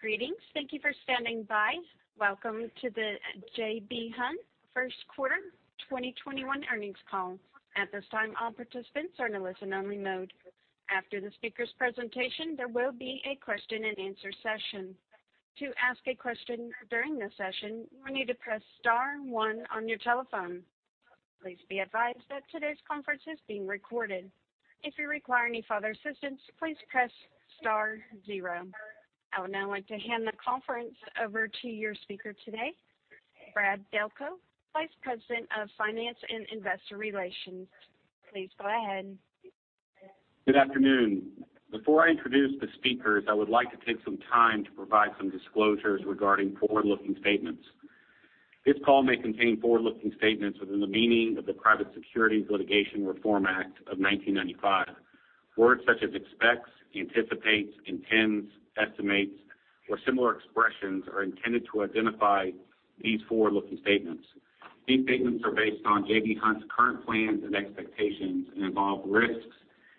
Greetings. Thank you for standing by. Welcome to the J.B. Hunt First Quarter 2021 Earnings Call. At this time all participants are listen only mode after the speaker presentation, their will be a question and answer session. To ask question during the session you need to press star one on your telephone, please be advice that todays conference is being recorded. If you require any further assistance please press star zero. I would now like to hand the conference over to your speaker today, Brad Delco, Vice President of Finance and Investor Relations. Please go ahead. Good afternoon. Before I introduce the speakers, I would like to take some time to provide some disclosures regarding forward-looking statements. This call may contain forward-looking statements within the meaning of the Private Securities Litigation Reform Act of 1995. Words such as expects, anticipates, intends, estimates, or similar expressions are intended to identify these forward-looking statements. These statements are based on J.B. Hunt's current plans and expectations and involve risks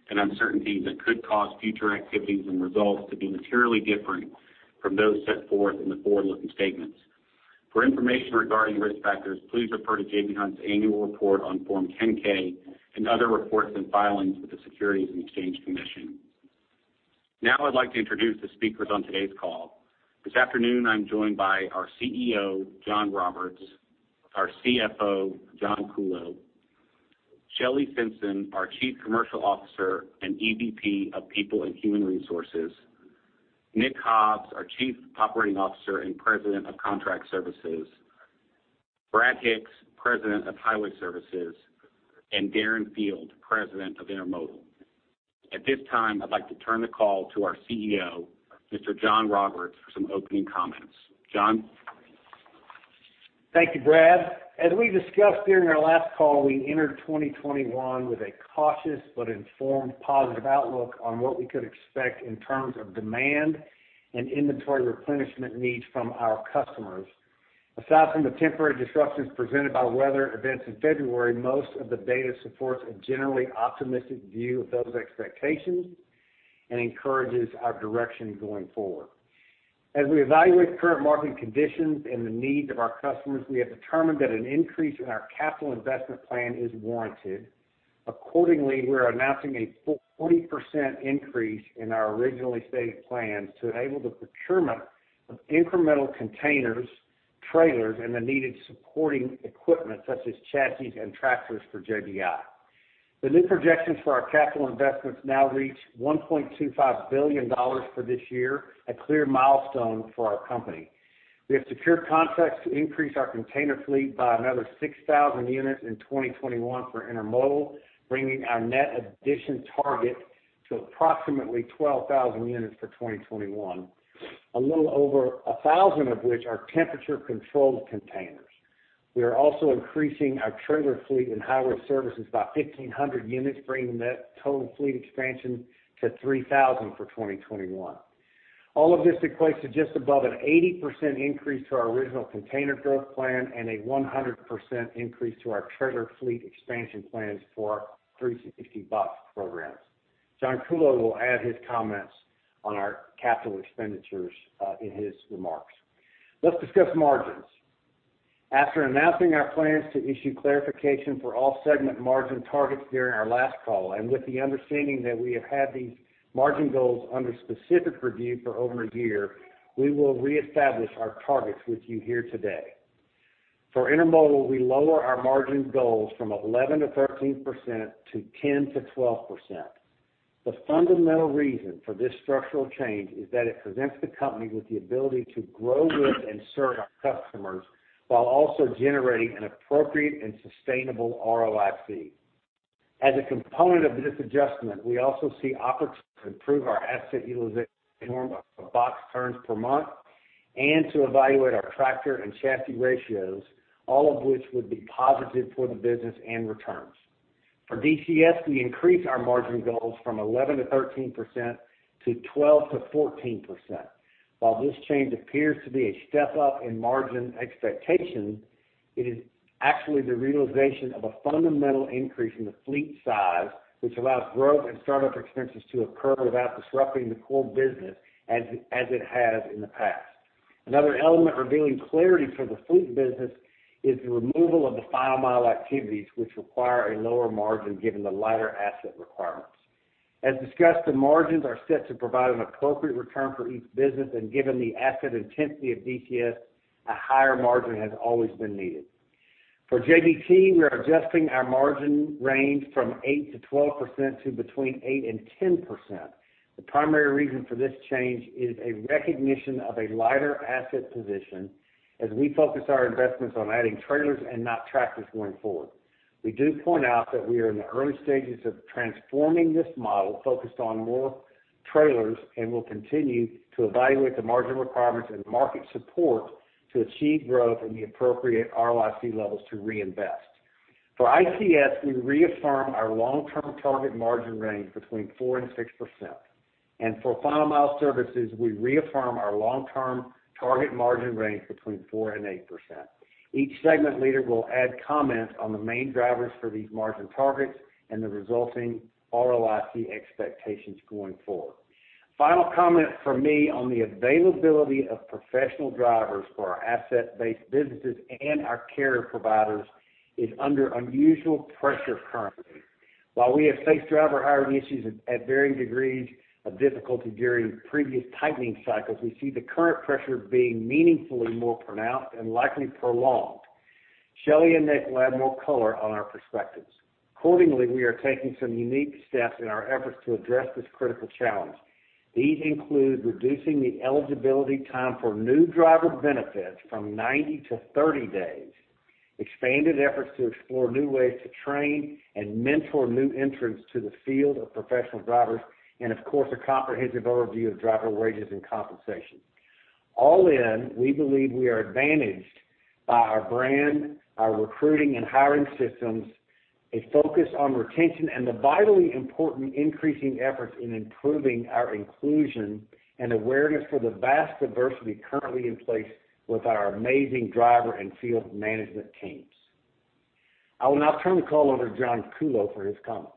and uncertainties that could cause future activities and results to be materially different from those set forth in the forward-looking statements. For information regarding risk factors, please refer to J.B. Hunt's annual report on Form 10-K and other reports and filings with the Securities and Exchange Commission. Now I'd like to introduce the speakers on today's call. This afternoon, I'm joined by our CEO, John Roberts, our CFO, John Kuhlow, Shelley Simpson, our Chief Commercial Officer and EVP of People and Human Resources, Nick Hobbs, our Chief Operating Officer and President of Contract Services, Brad Hicks, President of Highway Services, and Darren Field, President of Intermodal. At this time, I'd like to turn the call to our CEO, Mr. John Roberts, for some opening comments. John? Thank you, Brad. As we discussed during our last call, we entered 2021 with a cautious but informed positive outlook on what we could expect in terms of demand and inventory replenishment needs from our customers. Aside from the temporary disruptions presented by weather events in February, most of the data supports a generally optimistic view of those expectations and encourages our direction going forward. As we evaluate current market conditions and the needs of our customers, we have determined that an increase in our capital investment plan is warranted. Accordingly, we are announcing a 40% increase in our originally stated plans to enable the procurement of incremental containers, trailers, and the needed supporting equipment such as chassis and tractors for JBI. The new projections for our capital investments now reach $1.25 billion for this year, a clear milestone for our company. We have secured contracts to increase our container fleet by another 6,000 units in 2021 for intermodal, bringing our net addition target to approximately 12,000 units for 2021. A little over 1,000 of which are temperature-controlled containers. We are also increasing our trailer fleet and highway services by 1,500 units, bringing the total fleet expansion to 3,000 for 2021. All of this equates to just above an 80% increase to our original container growth plan and a 100% increase to our trailer fleet expansion plans for our 360box programs. John Kuhlow will add his comments on our capital expenditures in his remarks. Let's discuss margins. After announcing our plans to issue clarification for all segment margin targets during our last call, and with the understanding that we have had these margin goals under specific review for over a year, we will reestablish our targets with you here today. For intermodal, we lower our margin goals from 11%-13% to 10%-12%. The fundamental reason for this structural change is that it presents the company with the ability to grow with and serve our customers while also generating an appropriate and sustainable ROIC. As a component of this adjustment, we also see opportunities to improve our asset utilization in the form of box turns per month and to evaluate our tractor and chassis ratios, all of which would be positive for the business and returns. For DCS, we increase our margin goals from 11%-13% to 12%-14%. While this change appears to be a step up in margin expectations, it is actually the realization of a fundamental increase in the fleet size, which allows growth and startup expenses to occur without disrupting the core business as it has in the past. Another element revealing clarity for the fleet business is the removal of the final mile activities, which require a lower margin given the lighter asset requirements. As discussed, the margins are set to provide an appropriate return for each business, and given the asset intensity of DCS, a higher margin has always been needed. For JBT, we are adjusting our margin range from 8%-12% to between 8% and 10%. The primary reason for this change is a recognition of a lighter asset position as we focus our investments on adding trailers and not tractors going forward. We do point out that we are in the early stages of transforming this model focused on more trailers and will continue to evaluate the margin requirements and market support to achieve growth and the appropriate ROIC levels to reinvest. For ICS, we reaffirm our long-term target margin range between 4% and 6%. For final mile services, we reaffirm our long-term target margin range between 4% and 8%. Each segment leader will add comment on the main drivers for these margin targets and the resulting ROIC expectations going forward. Final comment from me on the availability of professional drivers for our asset-based businesses and our carrier providers is under unusual pressure currently. While we have faced driver hiring issues at varying degrees of difficulty during previous tightening cycles, we see the current pressure being meaningfully more pronounced and likely prolonged. Shelley and Nick will add more color on our perspectives. Accordingly, we are taking some unique steps in our efforts to address this critical challenge. These include reducing the eligibility time for new driver benefits from 90 to 30 days, expanded efforts to explore new ways to train and mentor new entrants to the field of professional drivers, and of course, a comprehensive overview of driver wages and compensation. All in, we believe we are advantaged by our brand, our recruiting and hiring systems, a focus on retention, and the vitally important increasing efforts in improving our inclusion and awareness for the vast diversity currently in place with our amazing driver and field management teams. I will now turn the call over to John Kuhlow for his comments.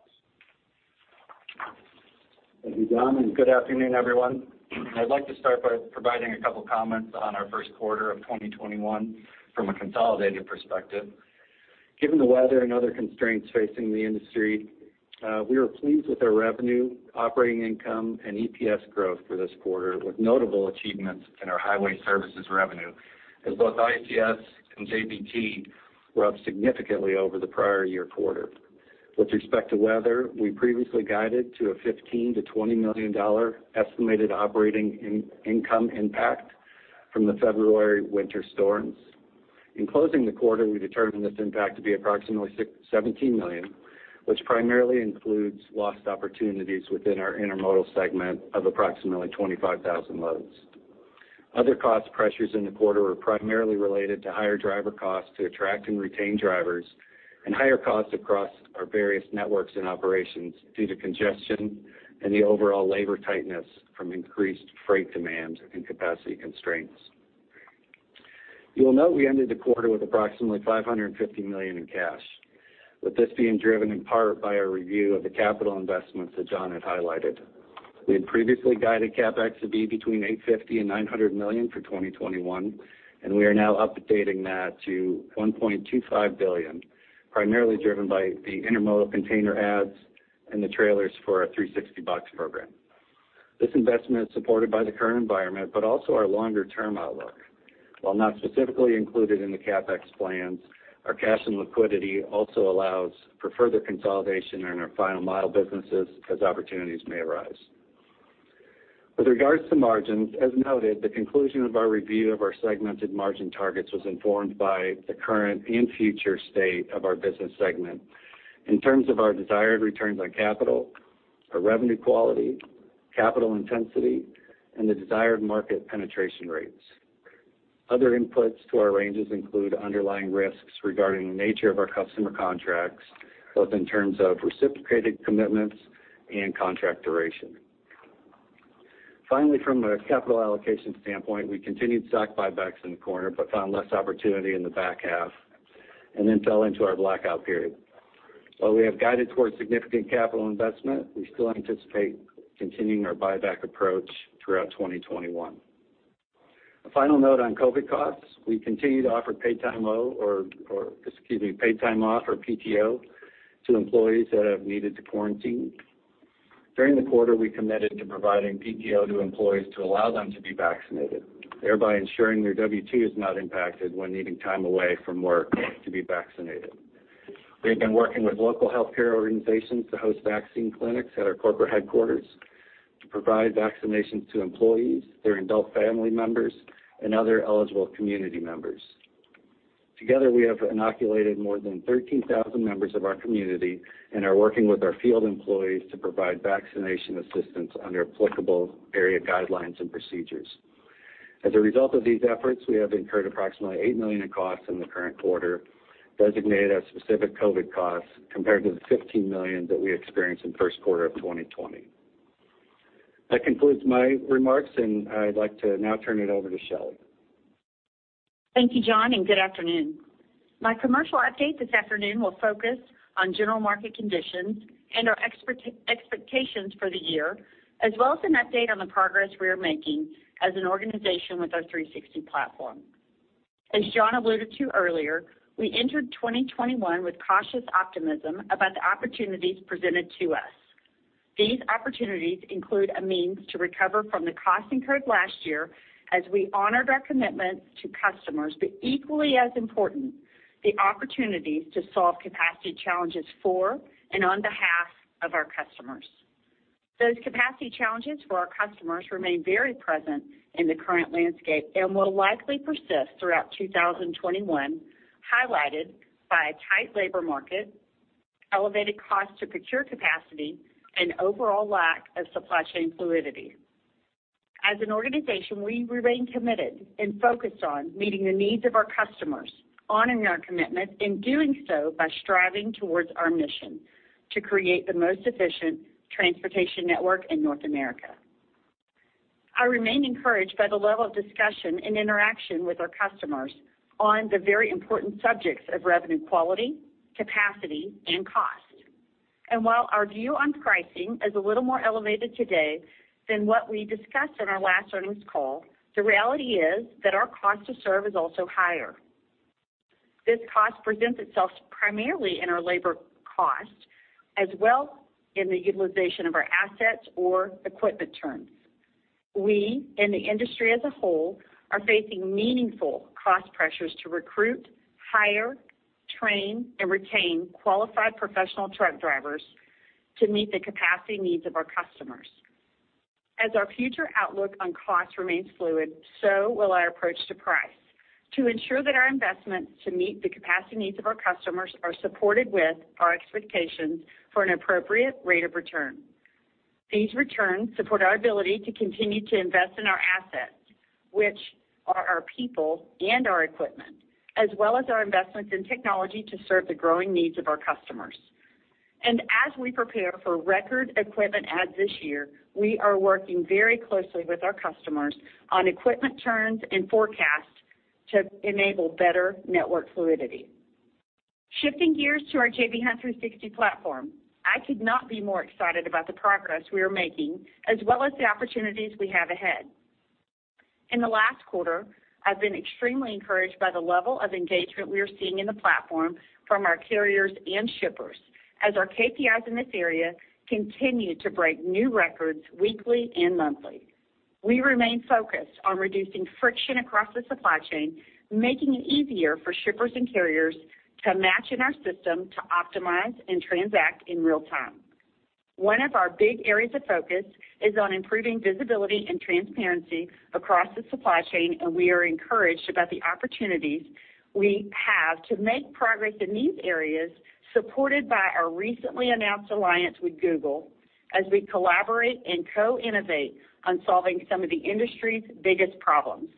Thank you, John, and good afternoon, everyone. I'd like to start by providing a couple of comments on our first quarter of 2021 from a consolidated perspective. Given the weather and other constraints facing the industry, we were pleased with our revenue, operating income, and EPS growth for this quarter, with notable achievements in our highway services revenue as both ICS and JBT were up significantly over the prior year quarter. With respect to weather, we previously guided to a $15 million-$20 million estimated operating income impact from the February winter storms. In closing the quarter, we determined this impact to be approximately $17 million, which primarily includes lost opportunities within our intermodal segment of approximately 25,000 loads. Other cost pressures in the quarter were primarily related to higher driver costs to attract and retain drivers and higher costs across our various networks and operations due to congestion and the overall labor tightness from increased freight demands and capacity constraints. You will note we ended the quarter with approximately $550 million in cash, with this being driven in part by our review of the capital investments that John had highlighted. We had previously guided CapEx to be between $850 million and $900 million for 2021, and we are now updating that to $1.25 billion, primarily driven by the intermodal container adds and the trailers for our 360box program. This investment is supported by the current environment, also our longer-term outlook. While not specifically included in the CapEx plans, our cash and liquidity also allows for further consolidation in our final mile businesses as opportunities may arise. With regards to margins, as noted, the conclusion of our review of our segmented margin targets was informed by the current and future state of our business segment in terms of our desired returns on capital, our revenue quality, capital intensity, and the desired market penetration rates. Other inputs to our ranges include underlying risks regarding the nature of our customer contracts, both in terms of reciprocated commitments and contract duration. Finally, from a capital allocation standpoint, we continued stock buybacks in the quarter, but found less opportunity in the back half and then fell into our blackout period. While we have guided towards significant capital investment, we still anticipate continuing our buyback approach throughout 2021. A final note on COVID costs. We continue to offer paid time off or PTO to employees that have needed to quarantine. During the quarter, we committed to providing PTO to employees to allow them to be vaccinated, thereby ensuring their W2 is not impacted when needing time away from work to be vaccinated. We have been working with local healthcare organizations to host vaccine clinics at our corporate headquarters to provide vaccinations to employees, their adult family members, and other eligible community members. Together, we have inoculated more than 13,000 members of our community and are working with our field employees to provide vaccination assistance under applicable area guidelines and procedures. As a result of these efforts, we have incurred approximately $8 million in costs in the current quarter designated as specific COVID costs compared to the $15 million that we experienced in first quarter of 2020. That concludes my remarks, and I'd like to now turn it over to Shelley. Thank you, John, good afternoon. My commercial update this afternoon will focus on general market conditions and our expectations for the year, as well as an update on the progress we are making as an organization with our 360 platform. As John alluded to earlier, we entered 2021 with cautious optimism about the opportunities presented to us. These opportunities include a means to recover from the costs incurred last year as we honored our commitment to customers, but equally as important, the opportunities to solve capacity challenges for and on behalf of our customers. Those capacity challenges for our customers remain very present in the current landscape and will likely persist throughout 2021, highlighted by a tight labor market, elevated cost to procure capacity, and overall lack of supply chain fluidity. As an organization, we remain committed and focused on meeting the needs of our customers, honoring our commitment, and doing so by striving towards our mission to create the most efficient transportation network in North America. I remain encouraged by the level of discussion and interaction with our customers on the very important subjects of revenue quality, capacity, and cost. While our view on pricing is a little more elevated today than what we discussed on our last earnings call, the reality is that our cost to serve is also higher. This cost presents itself primarily in our labor cost, as well in the utilization of our assets or equipment turns. We, in the industry as a whole, are facing meaningful cost pressures to recruit, hire, train, and retain qualified professional truck drivers to meet the capacity needs of our customers. As our future outlook on cost remains fluid, so will our approach to price to ensure that our investments to meet the capacity needs of our customers are supported with our expectations for an appropriate rate of return. These returns support our ability to continue to invest in our assets, which are our people and our equipment, as well as our investments in technology to serve the growing needs of our customers. As we prepare for record equipment adds this year, we are working very closely with our customers on equipment turns and forecasts to enable better network fluidity. Shifting gears to our J.B. Hunt 360 platform. I could not be more excited about the progress we are making as well as the opportunities we have ahead. In the last quarter, I've been extremely encouraged by the level of engagement we are seeing in the platform from our carriers and shippers, as our KPIs in this area continue to break new records weekly and monthly. We remain focused on reducing friction across the supply chain, making it easier for shippers and carriers to match in our system to optimize and transact in real time. We are encouraged about the opportunities we have to make progress in these areas, supported by our recently announced alliance with Google as we collaborate and co-innovate on solving some of the industry's biggest problems.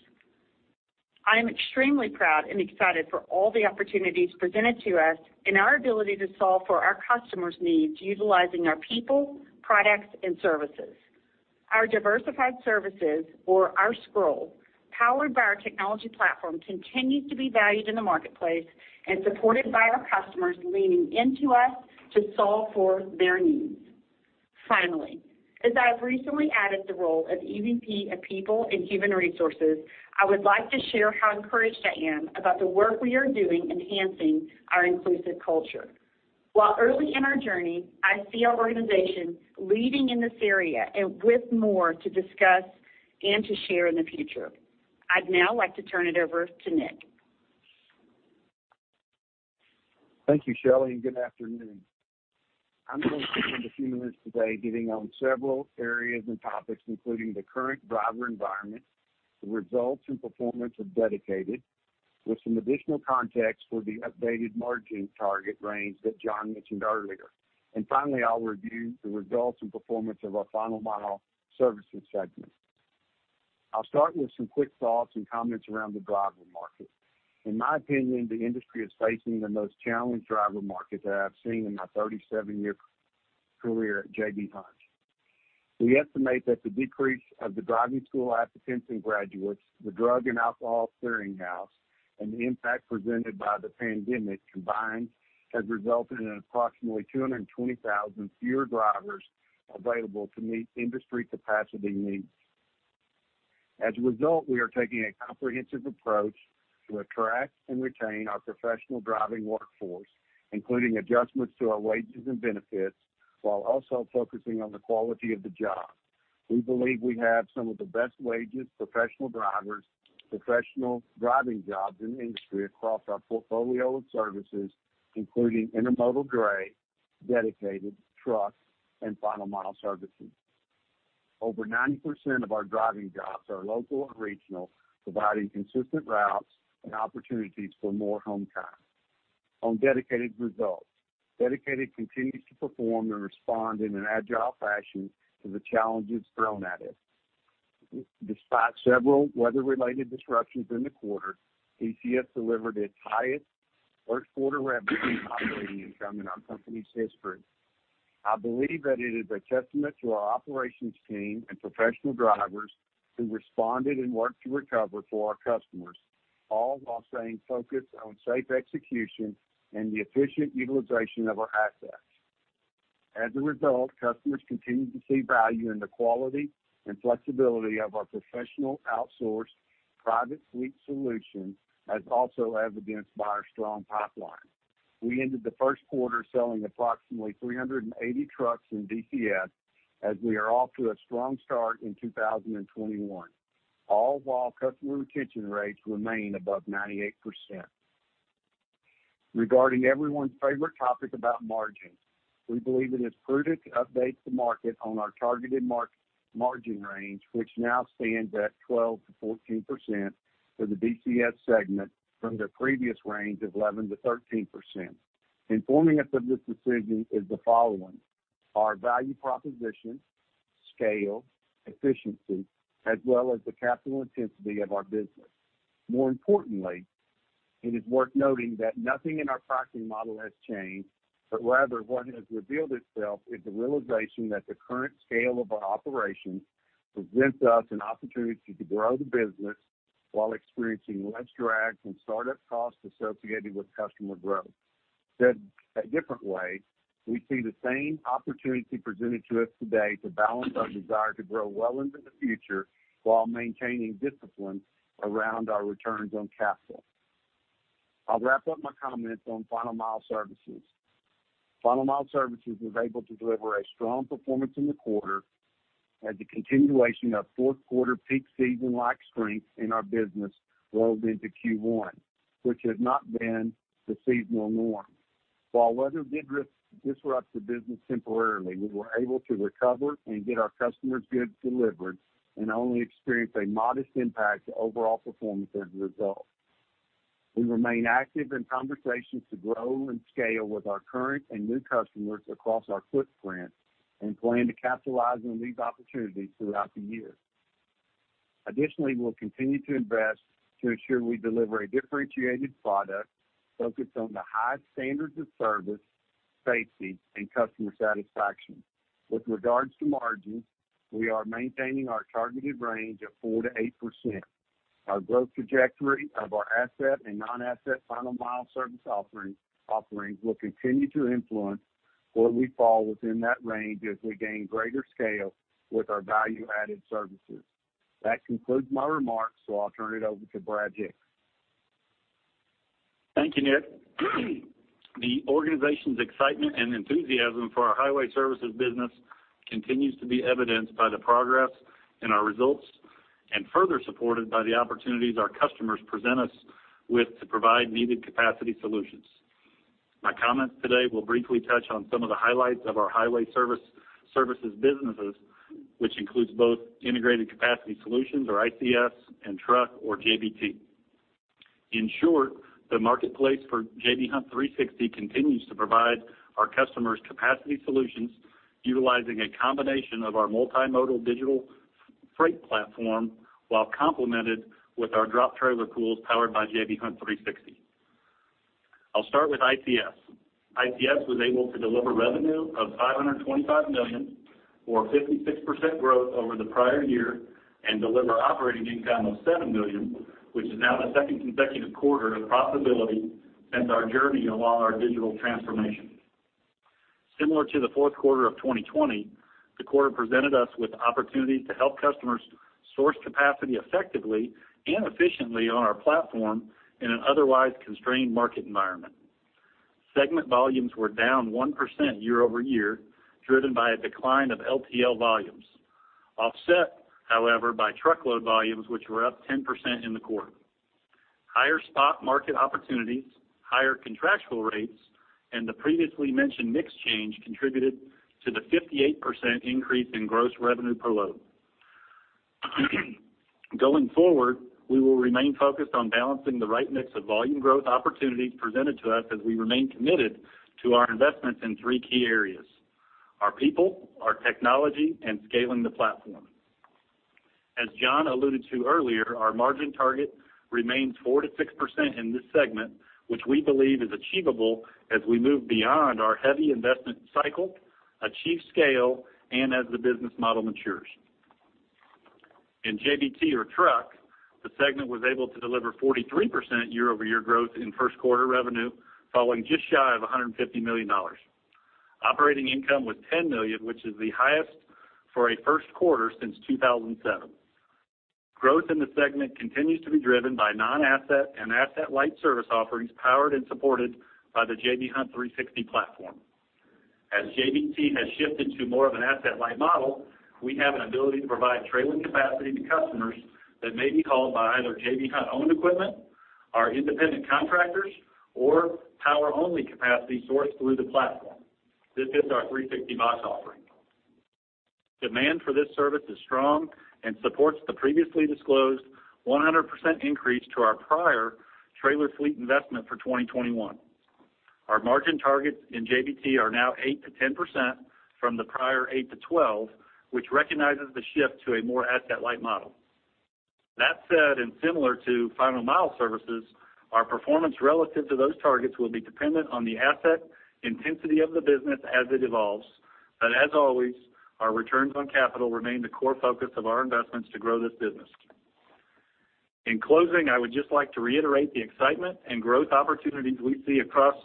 I am extremely proud and excited for all the opportunities presented to us and our ability to solve for our customers' needs utilizing our people, products, and services. Our diversified services, or our scroll, powered by our technology platform, continues to be valued in the marketplace and supported by our customers leaning into us to solve for their needs. Finally, as I have recently added the role of EVP of People and Human Resources, I would like to share how encouraged I am about the work we are doing enhancing our inclusive culture. While early in our journey, I see our organization leading in this area and with more to discuss and to share in the future. I'd now like to turn it over to Nick. Thank you, Shelley. Good afternoon. I'm going to spend a few minutes today getting on several areas and topics, including the current driver environment, the results and performance of Dedicated, with some additional context for the updated margin target range that John mentioned earlier. Finally, I'll review the results and performance of our Final Mile Services segment. I'll start with some quick thoughts and comments around the driver market. In my opinion, the industry is facing the most challenged driver market that I've seen in my 37 year career at J.B. Hunt. We estimate that the decrease of the driving school applicants and graduates, the Drug and alcohol clearinghouse, and the impact presented by the pandemic combined has resulted in approximately 220,000 fewer drivers available to meet industry capacity needs. As a result, we are taking a comprehensive approach to attract and retain our professional driving workforce, including adjustments to our wages and benefits while also focusing on the quality of the job. We believe we have some of the best wages, professional drivers, professional driving jobs in the industry across our portfolio of services, including Intermodal dray, Dedicated, Truck, and Final Mile services. Over 90% of our driving jobs are local and regional, providing consistent routes and opportunities for more home time. On Dedicated results. Dedicated continues to perform and respond in an agile fashion to the challenges thrown at it. Despite several weather-related disruptions in the quarter, DCS delivered its highest first quarter revenue and operating income in our company's history. I believe that it is a testament to our operations team and professional drivers who responded and worked to recover for our customers, all while staying focused on safe execution and the efficient utilization of our assets. As a result, customers continue to see value in the quality and flexibility of our professional outsourced private fleet solution, as also evidenced by our strong pipeline. We ended the first quarter selling approximately 380 trucks in DCS, as we are off to a strong start in 2021, all while customer retention rates remain above 98%. Regarding everyone's favorite topic about margins, we believe it is prudent to update the market on our targeted margin range, which now stands at 12%-14% for the DCS segment from the previous range of 11%-13%. Informing us of this decision is the following. Our value proposition, scale, efficiency, as well as the capital intensity of our business. More importantly, it is worth noting that nothing in our pricing model has changed, but rather what has revealed itself is the realization that the current scale of our operations presents us an opportunity to grow the business while experiencing less drag from startup costs associated with customer growth. Said a different way, we see the same opportunity presented to us today to balance our desire to grow well into the future while maintaining discipline around our returns on capital. I'll wrap up my comments on final mile services. Final mile services was able to deliver a strong performance in the quarter as a continuation of fourth quarter peak season-like strength in our business rolled into Q1, which has not been the seasonal norm. While weather did disrupt the business temporarily, we were able to recover and get our customers' goods delivered and only experienced a modest impact to overall performance as a result. We remain active in conversations to grow and scale with our current and new customers across our footprint and plan to capitalize on these opportunities throughout the year. Additionally, we'll continue to invest to ensure we deliver a differentiated product focused on the high standards of service, safety, and customer satisfaction. With regards to margins, we are maintaining our targeted range of 4%-8%. Our growth trajectory of our asset and non-asset final mile service offerings will continue to influence where we fall within that range as we gain greater scale with our value-added services. That concludes my remarks, so I'll turn it over to Brad Hicks. Thank you, Nick. The organization's excitement and enthusiasm for our highway services business continues to be evidenced by the progress in our results and further supported by the opportunities our customers present us with to provide needed capacity solutions. My comments today will briefly touch on some of the highlights of our highway services businesses, which includes both Integrated Capacity Solutions, or ICS, and JBT. In short, the marketplace for J.B. Hunt 360 continues to provide our customers capacity solutions utilizing a combination of our multimodal digital freight platform while complemented with our drop trailer pools powered by J.B. Hunt 360. I'll start with ICS. ICS was able to deliver revenue of $525 million or 56% growth over the prior year and deliver operating income of $7 million, which is now the second consecutive quarter of profitability since our journey along our digital transformation. Similar to the fourth quarter of 2020, the quarter presented us with opportunities to help customers source capacity effectively and efficiently on our platform in an otherwise constrained market environment. Segment volumes were down 1% year-over-year, driven by a decline of LTL volumes. Offset, however, by truckload volumes, which were up 10% in the quarter. Higher spot market opportunities, higher contractual rates, and the previously mentioned mix change contributed to the 58% increase in gross revenue per load. Going forward, we will remain focused on balancing the right mix of volume growth opportunities presented to us as we remain committed to our investments in three key areas, our people, our technology, and scaling the platform. As John alluded to earlier, our margin target remains 4%-6% in this segment, which we believe is achievable as we move beyond our heavy investment cycle, achieve scale, and as the business model matures. In JBT or Truck, the segment was able to deliver 43% year-over-year growth in first quarter revenue, falling just shy of $150 million. Operating income was $10 million, which is the highest for a first quarter since 2007. Growth in the segment continues to be driven by non-asset and asset-light service offerings powered and supported by the J.B. Hunt 360 platform. As JBT has shifted to more of an asset-light model, we have an ability to provide trailing capacity to customers that may be hauled by either J.B. Hunt-owned equipment, our independent contractors, or power-only capacity sourced through the platform. This is our 360box offering. Demand for this service is strong and supports the previously disclosed 100% increase to our prior trailer fleet investment for 2021. Our margin targets in JBT are now 8%-10% from the prior 8%-12%, which recognizes the shift to a more asset-light model. That said, and similar to final mile services, our performance relative to those targets will be dependent on the asset intensity of the business as it evolves. As always, our returns on capital remain the core focus of our investments to grow this business. In closing, I would just like to reiterate the excitement and growth opportunities we see across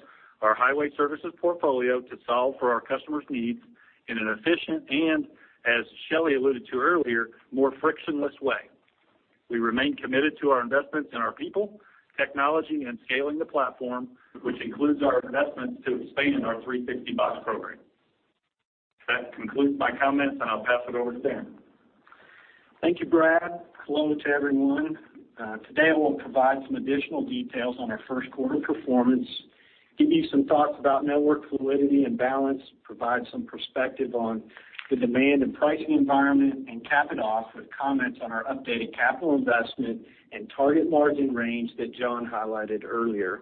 our Highway Services portfolio to solve for our customers' needs in an efficient and, as Shelley alluded to earlier, more frictionless way. We remain committed to our investments in our people, technology, and scaling the platform, which includes our investments to expand our 360box program. That concludes my comments, and I'll pass it over to Darren. Thank you, Brad. Hello to everyone. Today I want to provide some additional details on our first quarter performance, give you some thoughts about network fluidity and balance, provide some perspective on the demand and pricing environment, and cap it off with comments on our updated capital investment and target margin range that John highlighted earlier.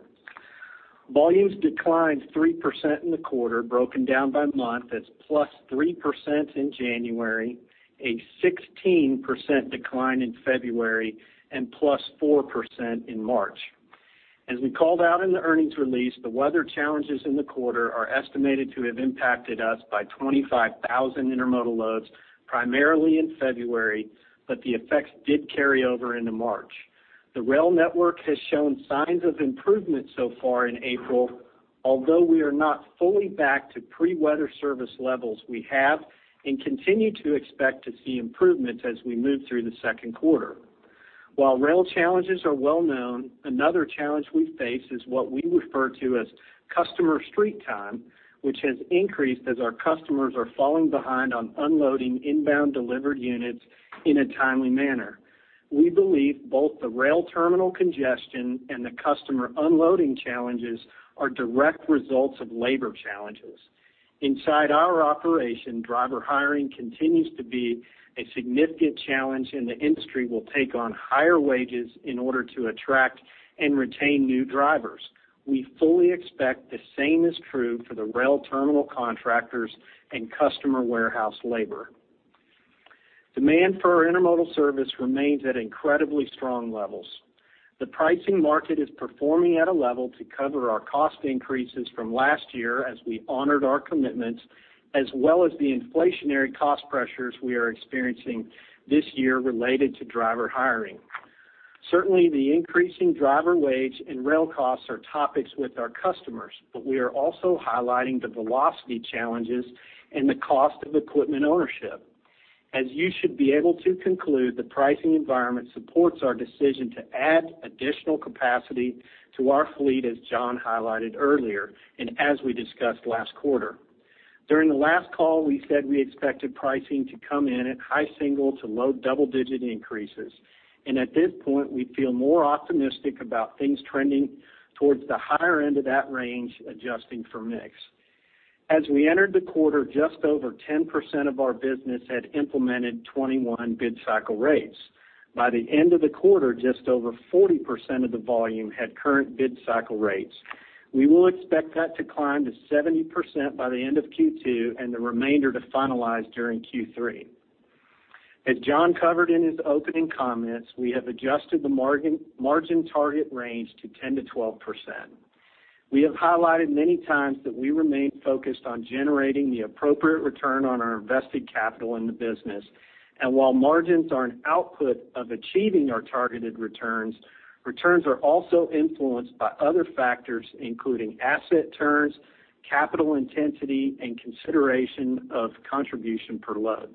Volumes declined 3% in the quarter, broken down by month as +3% in January, a 16% decline in February, and +4% in March. As we called out in the earnings release, the weather challenges in the quarter are estimated to have impacted us by 25,000 intermodal loads, primarily in February, but the effects did carry over into March. The rail network has shown signs of improvement so far in April. Although we are not fully back to pre-weather service levels, we have and continue to expect to see improvements as we move through the second quarter. While rail challenges are well-known, another challenge we face is what we refer to as customer street time, which has increased as our customers are falling behind on unloading inbound delivered units in a timely manner. We believe both the rail terminal congestion and the customer unloading challenges are direct results of labor challenges. Inside our operation, driver hiring continues to be a significant challenge, and the industry will take on higher wages in order to attract and retain new drivers. We fully expect the same is true for the rail terminal contractors and customer warehouse labor. Demand for our intermodal service remains at incredibly strong levels. The pricing market is performing at a level to cover our cost increases from last year as we honored our commitments, as well as the inflationary cost pressures we are experiencing this year related to driver hiring. Certainly, the increasing driver wage and rail costs are topics with our customers, but we are also highlighting the velocity challenges and the cost of equipment ownership. As you should be able to conclude, the pricing environment supports our decision to add additional capacity to our fleet, as John highlighted earlier and as we discussed last quarter. During the last call, we said we expected pricing to come in at high single to low double-digit increases, and at this point, we feel more optimistic about things trending towards the higher end of that range, adjusting for mix. As we entered the quarter, just over 10% of our business had implemented 2021 bid cycle rates. By the end of the quarter, just over 40% of the volume had current bid cycle rates. We will expect that to climb to 70% by the end of Q2, and the remainder to finalize during Q3. As John covered in his opening comments, we have adjusted the margin target range to 10%-12%. We have highlighted many times that we remain focused on generating the appropriate return on our invested capital in the business. While margins are an output of achieving our targeted returns are also influenced by other factors, including asset turns, capital intensity, and consideration of contribution per load.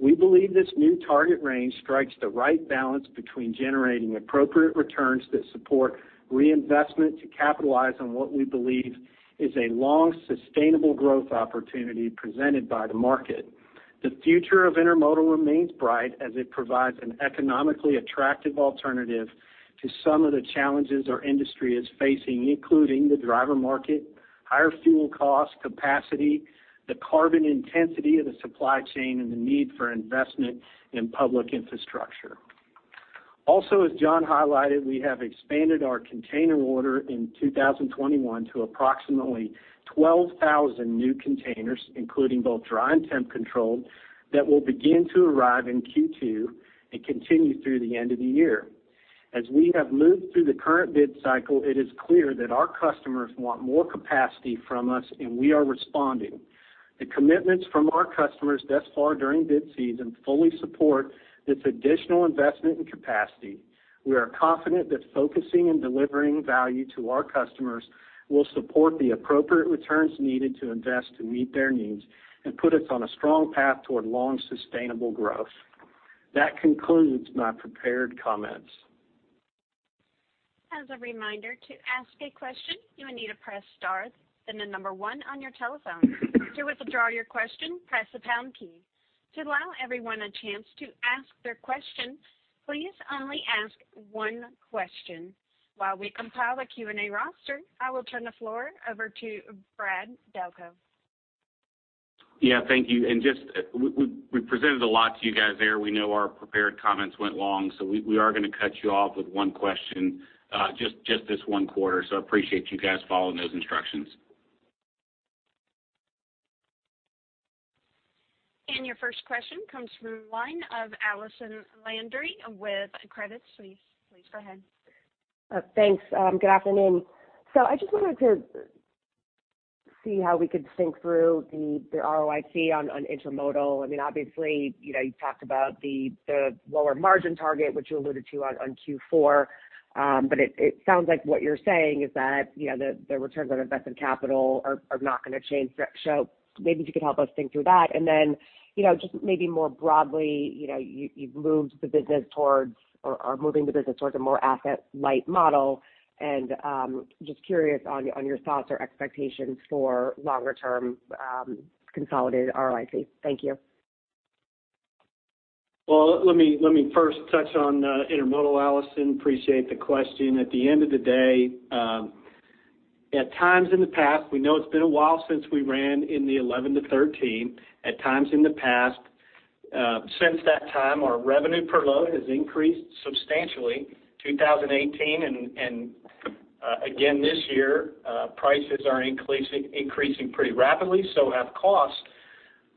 We believe this new target range strikes the right balance between generating appropriate returns that support reinvestment to capitalize on what we believe is a long, sustainable growth opportunity presented by the market. The future of intermodal remains bright as it provides an economically attractive alternative to some of the challenges our industry is facing, including the driver market, higher fuel costs, capacity, the carbon intensity of the supply chain, and the need for investment in public infrastructure. Also, as John highlighted, we have expanded our container order in 2021 to approximately 12,000 new containers, including both dry and temp-controlled, that will begin to arrive in Q2 and continue through the end of the year. As we have moved through the current bid cycle, it is clear that our customers want more capacity from us, and we are responding. The commitments from our customers thus far during bid season fully support this additional investment in capacity. We are confident that focusing and delivering value to our customers will support the appropriate returns needed to invest to meet their needs and put us on a strong path toward long, sustainable growth. That concludes my prepared comments. As a reminder, to ask a question, you will need to press star, then the number one on your telephone. To withdraw your question, press the pound key. To allow everyone a chance to ask their question, please only ask one question. While we compile a Q and A roster, I will turn the floor over to Brad Delco. Yeah. Thank you. Just, we presented a lot to you guys there. We know our prepared comments went long, so we are going to cut you off with one question, just this one quarter. Appreciate you guys following those instructions. Your first question comes from the line of Allison Landry with Credit Suisse. Please go ahead. Thanks. Good afternoon. I just wanted to see how we could think through the ROIC on intermodal. Obviously, you talked about the lower margin target, which you alluded to on Q4. It sounds like what you're saying is that the returns on invested capital are not going to change. Maybe if you could help us think through that. Just maybe more broadly, you've moved the business towards, or are moving the business towards a more asset-light model. Just curious on your thoughts or expectations for longer-term consolidated ROIC. Thank you. Let me first touch on intermodal, Allison. Appreciate the question. At the end of the day, at times in the past, we know it's been a while since we ran in the 11-13. At times in the past. Since that time, our revenue per load has increased substantially. 2018 and again this year, prices are increasing pretty rapidly, so have costs,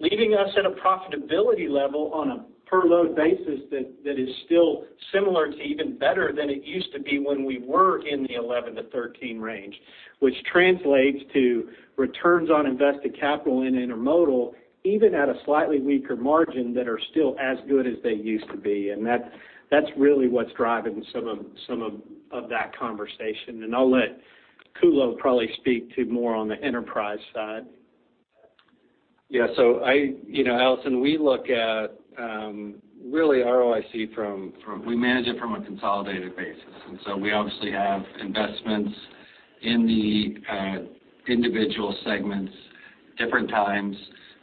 leaving us at a profitability level on a per load basis that is still similar to even better than it used to be when we were in the 11-13 range, which translates to returns on invested capital in Intermodal, even at a slightly weaker margin that are still as good as they used to be. That's really what's driving some of that conversation. I'll let Kuhlow probably speak to more on the enterprise side. Allison, we manage it from a consolidated basis. We obviously have investments in the individual segments, different times.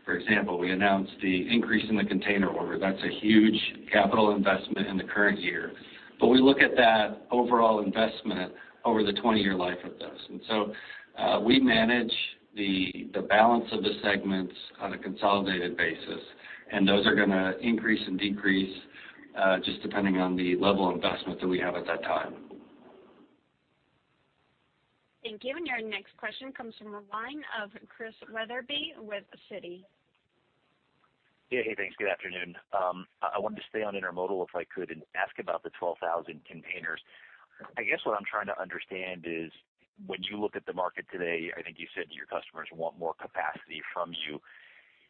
For example, we announced the increase in the container order. That's a huge capital investment in the current year. We look at that overall investment over the 20 year life of those. We manage the balance of the segments on a consolidated basis, and those are going to increase and decrease, just depending on the level of investment that we have at that time. Thank you. Your next question comes from the line of Chris Wetherbee with Citi. Yeah. Hey, thanks. Good afternoon. I wanted to stay on Intermodal, if I could, and ask about the 12,000 containers. I guess what I'm trying to understand is when you look at the market today, I think you said your customers want more capacity from you.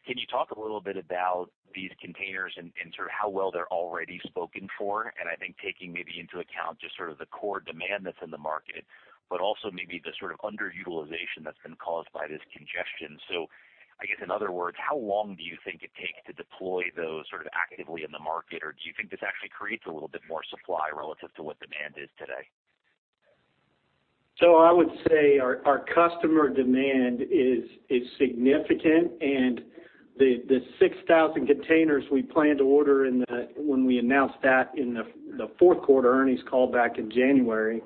Can you talk a little bit about these containers and sort of how well they're already spoken for? I think taking maybe into account just sort of the core demand that's in the market, but also maybe the sort of underutilization that's been caused by this congestion. I guess, in other words, how long do you think it takes to deploy those sort of actively in the market, or do you think this actually creates a little bit more supply relative to what demand is today? I would say our customer demand is significant. The 6,000 containers we plan to order when we announced that in the fourth quarter earnings call back in January,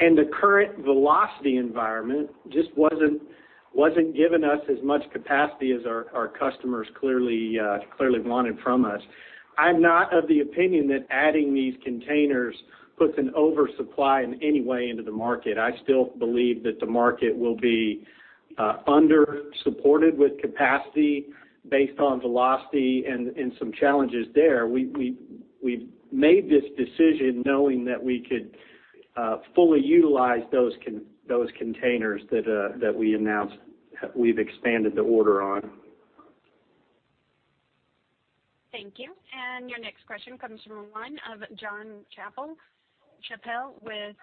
and the current velocity environment just wasn't given us as much capacity as our customers clearly wanted from us. I'm not of the opinion that adding these containers puts an oversupply in any way into the market. I still believe that the market will be under-supported with capacity based on velocity and some challenges there. We made this decision knowing that we could fully utilize those containers that we announced we've expanded the order on. Thank you. Your next question comes from the line of Jon Chappell with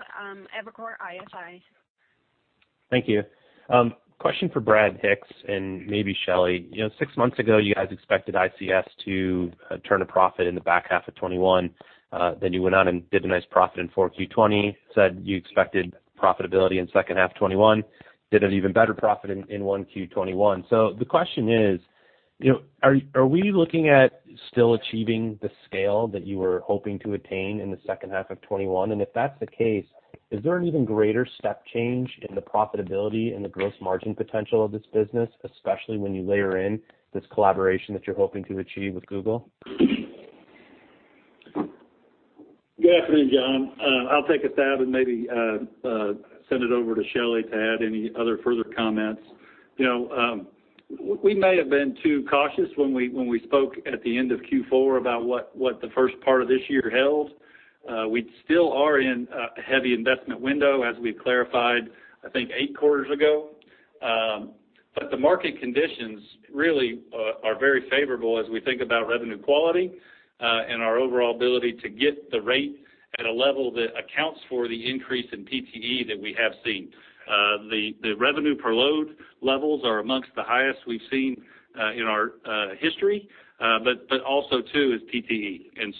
Evercore ISI. Thank you. Question for Brad Hicks and maybe Shelley. Six months ago, you guys expected ICS to turn a profit in the back half of 2021. You went out and did a nice profit in 4Q 2020, said you expected profitability in second half 2021. Did an even better profit in 1Q 2021. The question is, are we looking at still achieving the scale that you were hoping to attain in the second half of 2021? If that's the case, is there an even greater step change in the profitability and the gross margin potential of this business, especially when you layer in this collaboration that you're hoping to achieve with Google? Good afternoon, John. I'll take a stab and maybe send it over to Shelley to add any other further comments. We may have been too cautious when we spoke at the end of Q4 about what the first part of this year held. We still are in a heavy investment window, as we clarified, I think, eight quarters ago. The market conditions really are very favorable as we think about revenue quality, and our overall ability to get the rate at a level that accounts for the increase in PTE that we have seen. The revenue per load levels are amongst the highest we've seen in our history. Also too, is PTE.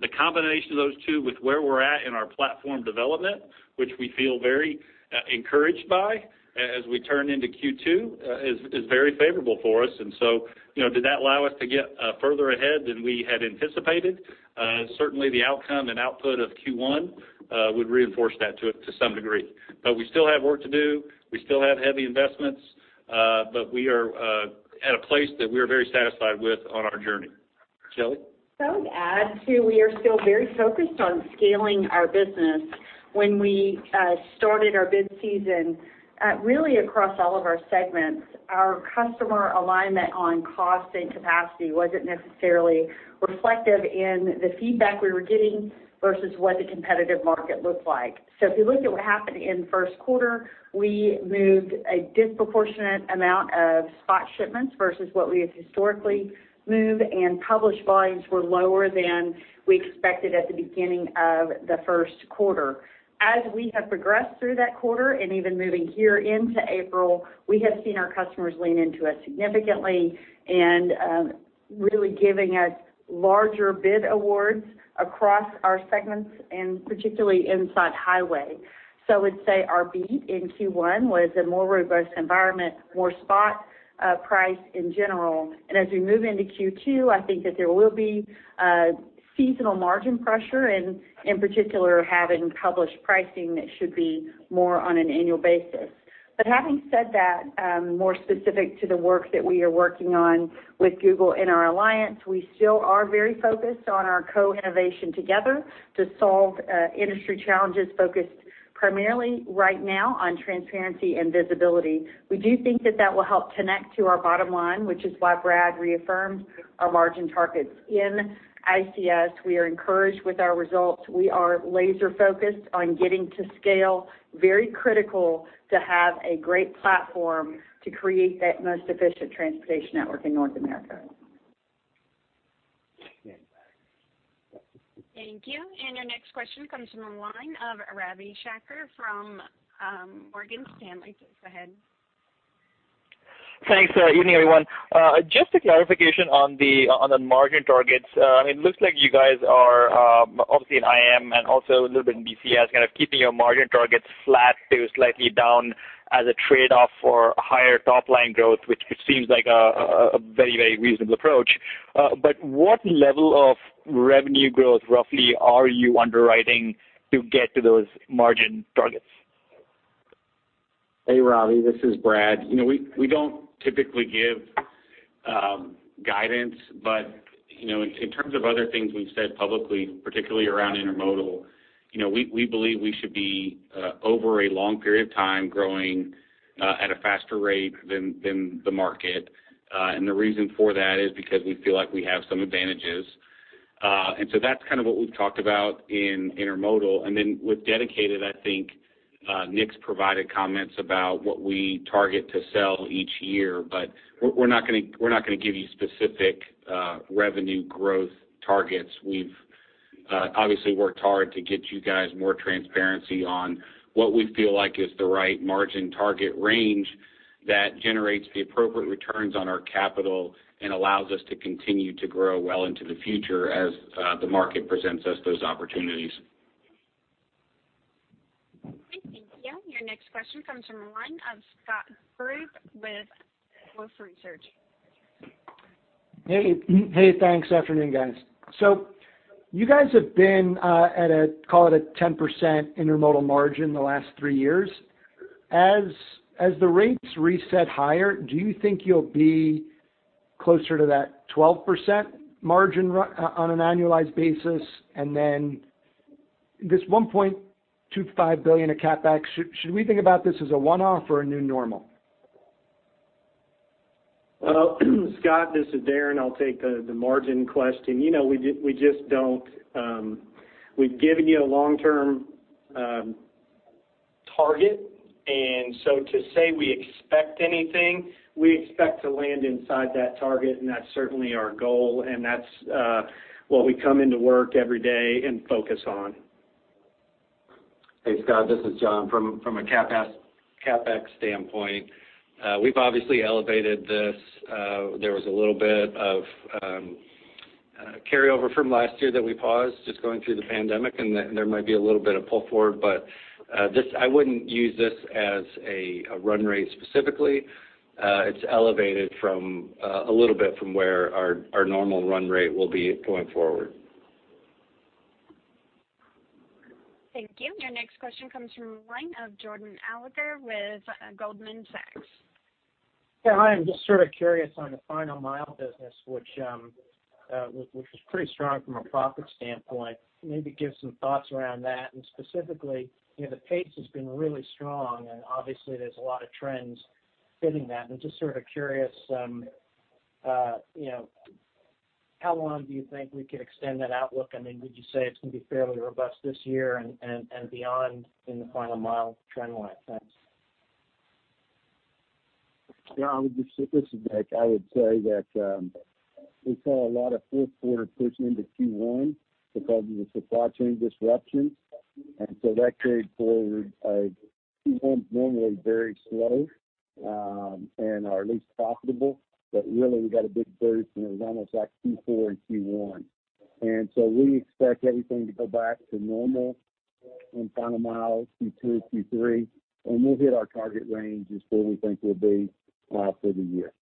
The combination of those two with where we're at in our platform development, which we feel very encouraged by as we turn into Q2, is very favorable for us. Did that allow us to get further ahead than we had anticipated? Certainly, the outcome and output of Q1 would reinforce that to some degree. We still have work to do. We still have heavy investments. We are at a place that we are very satisfied with on our journey. Shelley? To add, too, we are still very focused on scaling our business. When we started our bid season, really across all of our segments, our customer alignment on cost and capacity wasn't necessarily reflective in the feedback we were getting versus what the competitive market looked like. If you look at what happened in first quarter, we moved a disproportionate amount of spot shipments versus what we have historically moved, and published volumes were lower than we expected at the beginning of the first quarter. As we have progressed through that quarter and even moving here into April, we have seen our customers lean into us significantly and really giving us larger bid awards across our segments and particularly inside Highway. I would say our beat in Q1 was a more robust environment, more spot price in general. As we move into Q2, I think that there will be seasonal margin pressure and, in particular, having published pricing that should be more on an annual basis. Having said that, more specific to the work that we are working on with Google in our alliance, we still are very focused on our co-innovation together to solve industry challenges focused primarily right now on transparency and visibility. We do think that that will help connect to our bottom line, which is why Brad reaffirmed our margin targets in ICS. We are encouraged with our results. We are laser-focused on getting to scale, very critical to have a great platform to create that most efficient transportation network in North America. Thank you. Your next question comes from the line of Ravi Shanker from Morgan Stanley. Please go ahead. Thanks. Evening, everyone. Just a clarification on the margin targets. It looks like you guys are obviously in IM and also a little bit in DCS, kind of keeping your margin targets flat to slightly down as a trade-off for higher top-line growth, which seems like a very reasonable approach. What level of revenue growth roughly are you underwriting to get to those margin targets? Hey, Ravi, this is Brad. We don't typically give guidance, but in terms of other things we've said publicly, particularly around intermodal, we believe we should be, over a long period of time, growing at a faster rate than the market. The reason for that is because we feel like we have some advantages. That's kind of what we've talked about in intermodal. Then with Dedicated, I think Nick's provided comments about what we target to sell each year. We're not going to give you specific revenue growth targets. We've obviously worked hard to get you guys more transparency on what we feel like is the right margin target range that generates the appropriate returns on our capital and allows us to continue to grow well into the future as the market presents us those opportunities. Okay. Thank you. Your next question comes from the line of Scott Group with Wolfe Research. Hey, thanks. Afternoon, guys. You guys have been at a, call it a 10% intermodal margin the last three years. As the rates reset higher, do you think you'll be closer to that 12% margin on an annualized basis? Then this $1.25 billion of CapEx, should we think about this as a one-off or a new normal? Well, Scott, this is Darren. I'll take the margin question. We've given you a long-term target, and so to say we expect anything, we expect to land inside that target, and that's certainly our goal, and that's what we come into work every day and focus on. Hey, Scott, this is John. From a CapEx standpoint, we've obviously elevated this. There was a little bit of carryover from last year that we paused, just going through the pandemic, and there might be a little bit of pull forward. I wouldn't use this as a run rate specifically. It's elevated a little bit from where our normal run rate will be going forward. Thank you. Your next question comes from the line of Jordan Alliger with Goldman Sachs. Yeah, hi. I'm just sort of curious on the final mile business, which was pretty strong from a profit standpoint. Maybe give some thoughts around that, and specifically, the pace has been really strong, and obviously, there's a lot of trends fitting that. I'm just sort of curious, how long do you think we could extend that outlook? Would you say it's going to be fairly robust this year and beyond in the final mile trend line? Thanks. Yeah, this is Nick. I would say that we saw a lot of fourth quarter push into Q1 because of the supply chain disruptions. That carried forward. Q1 is normally very slow, and our least profitable, but really we got a big burst, and it was almost like Q4 and Q1. We expect everything to go back to normal in final mile Q2, Q3, and we'll hit our target range is where we think we'll be for the year.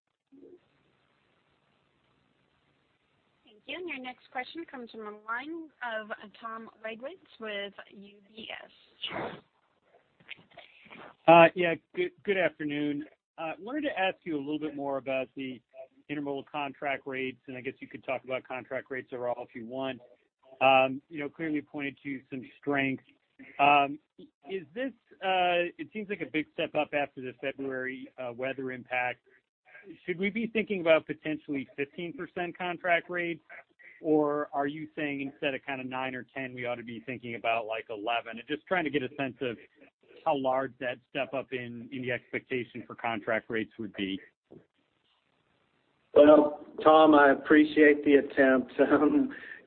Thank you. Your next question comes from the line of Tom Wadewitz with UBS. Yeah. Good afternoon. Wanted to ask you a little bit more about the intermodal contract rates. I guess you could talk about contract rates overall if you want. Clearly you pointed to some strength. It seems like a big step up after the February weather impact. Should we be thinking about potentially 15% contract rates? Are you saying instead of 9% or 10%, we ought to be thinking about 11%? Just trying to get a sense of how large that step up in the expectation for contract rates would be. Well, Tom, I appreciate the attempt.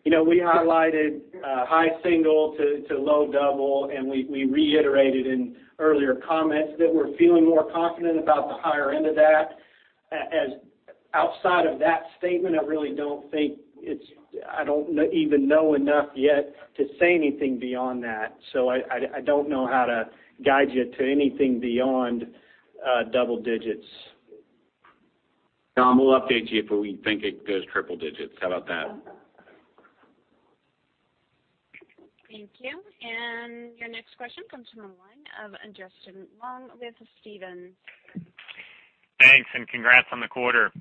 We highlighted high single to low double, and we reiterated in earlier comments that we're feeling more confident about the higher end of that. Outside of that statement, I don't even know enough yet to say anything beyond that. I don't know how to guide you to anything beyond double digits. Tom, we'll update you if we think it goes triple digits. How about that? Thank you. Your next question comes from the line of Justin Long with Stephens. Thanks, and congrats on the quarter.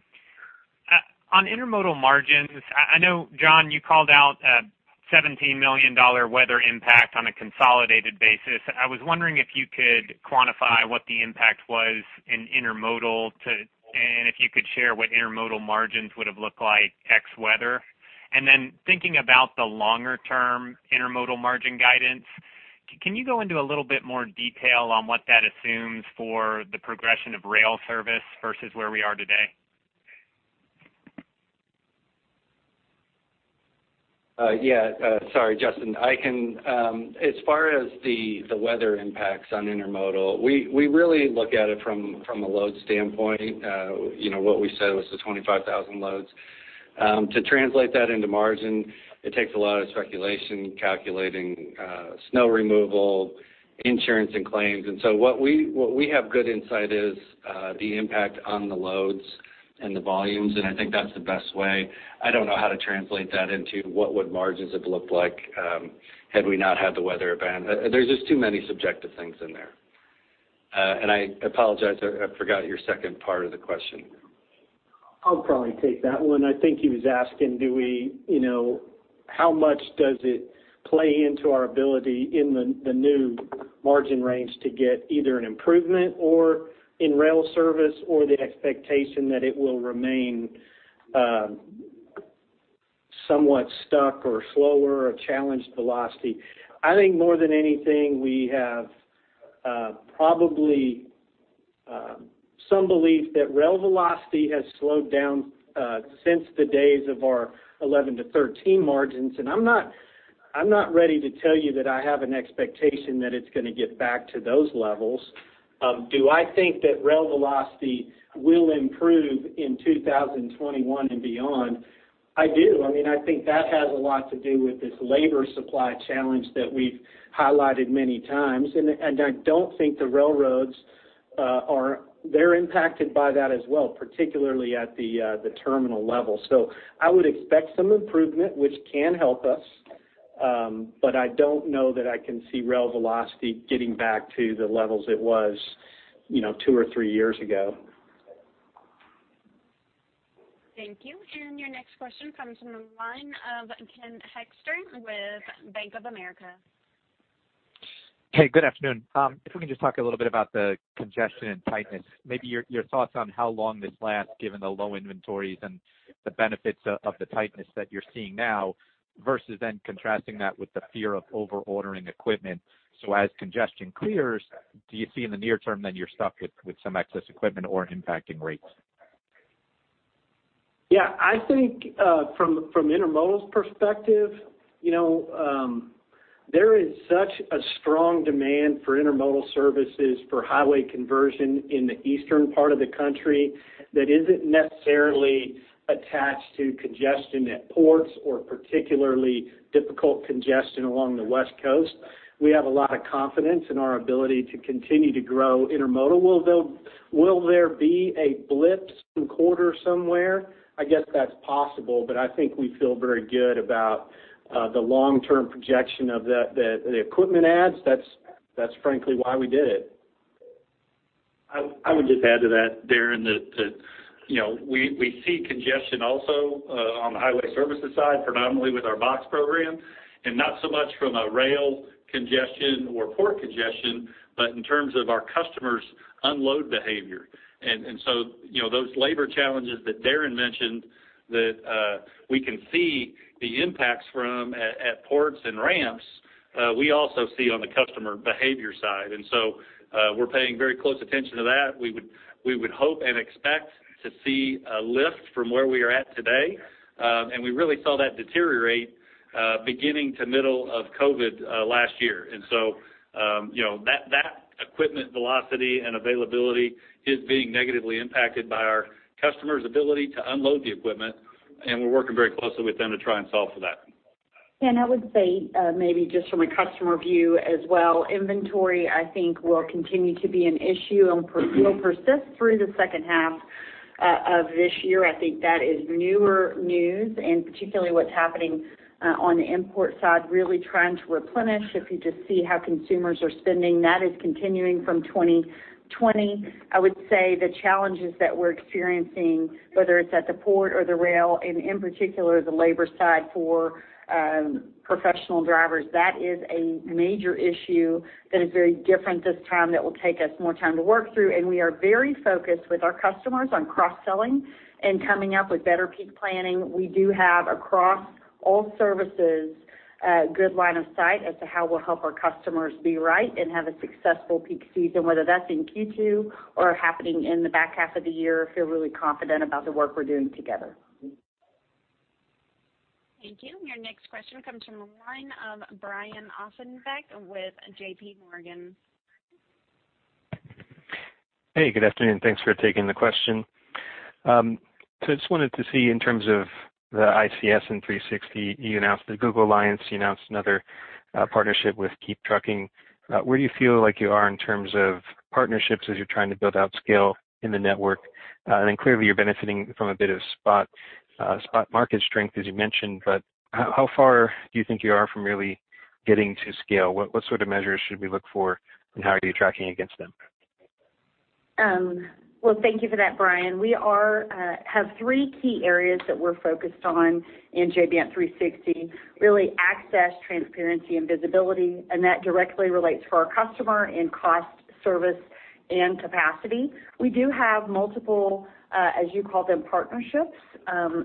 On intermodal margins, I know, John, you called out a $17 million weather impact on a consolidated basis. I was wondering if you could quantify what the impact was in intermodal, and if you could share what intermodal margins would have looked like ex weather. Thinking about the longer-term intermodal margin guidance, can you go into a little bit more detail on what that assumes for the progression of rail service versus where we are today? Sorry, Justin. As far as the weather impacts on intermodal, we really look at it from a load standpoint. What we said was the 25,000 loads. To translate that into margin, it takes a lot of speculation, calculating snow removal, insurance, and claims. What we have good insight is the impact on the loads and the volumes, and I think that's the best way. I don't know how to translate that into what would margins have looked like had we not had the weather event. There are just too many subjective things in there. I apologize, I forgot your second part of the question. I'll probably take that one. I think he was asking how much does it play into our ability in the new margin range to get either an improvement or in rail service or the expectation that it will remain somewhat stuck or slower or challenged velocity. I think more than anything, we have probably some belief that rail velocity has slowed down since the days of our 11%-13% margins, and I'm not ready to tell you that I have an expectation that it's going to get back to those levels. Do I think that rail velocity will improve in 2021 and beyond? I do. I think that has a lot to do with this labor supply challenge that we've highlighted many times, and I don't think the railroads are impacted by that as well, particularly at the terminal level. I would expect some improvement, which can help us. But I don't know that I can see rail velocity getting back to the levels it was two or three years ago. Thank you. Your next question comes from the line of Ken Hoexter with Bank of America. Hey, good afternoon. If we can just talk a little bit about the congestion and tightness, maybe your thoughts on how long this lasts, given the low inventories and the benefits of the tightness that you're seeing now, versus then contrasting that with the fear of over-ordering equipment. As congestion clears, do you see in the near term then you're stuck with some excess equipment or impacting rates? Yeah, I think from intermodal's perspective, there is such a strong demand for intermodal services for highway conversion in the eastern part of the country that isn't necessarily attached to congestion at ports or particularly difficult congestion along the West Coast. We have a lot of confidence in our ability to continue to grow intermodal. Will there be a blip some quarter somewhere? I guess that's possible, I think we feel very good about the long-term projection of the equipment adds. That's frankly why we did it. I would just add to that, Darren, that we see congestion also on the highway services side, predominantly with our box program, and not so much from a rail congestion or port congestion, but in terms of our customers' unload behavior. Those labor challenges that Darren mentioned that we can see the impacts from at ports and ramps, we also see on the customer behavior side. We're paying very close attention to that. We would hope and expect to see a lift from where we are at today. We really saw that deteriorate beginning to middle of COVID last year. That equipment velocity and availability is being negatively impacted by our customers' ability to unload the equipment, and we're working very closely with them to try and solve for that. I would say, maybe just from a customer view as well, inventory, I think will continue to be an issue and will persist through the second half of this year. I think that is newer news, and particularly what's happening on the import side, really trying to replenish. If you just see how consumers are spending, that is continuing from 2020. I would say the challenges that we're experiencing, whether it's at the port or the rail, and in particular, the labor side for professional drivers, that is a major issue that is very different this time that will take us more time to work through. We are very focused with our customers on cross-selling and coming up with better peak planning. We do have, across all services, a good line of sight as to how we'll help our customers be right and have a successful peak season, whether that's in Q2 or happening in the back half of the year. I feel really confident about the work we're doing together. Thank you. Your next question comes from the line of Brian Ossenbeck with JPMorgan. Hey, good afternoon. Thanks for taking the question. I just wanted to see in terms of the ICS and 360, you announced the Google alliance, you announced another partnership with KeepTruckin. Where do you feel like you are in terms of partnerships as you're trying to build out scale in the network? Clearly you're benefiting from a bit of spot market strength, as you mentioned. How far do you think you are from really getting to scale? What sort of measures should we look for, and how are you tracking against them? Well, thank you for that, Brian. We have three key areas that we're focused on in J.B. Hunt 360. Really, access, transparency, and visibility, and that directly relates to our customer in cost, service, and capacity. We do have multiple, as you call them, partnerships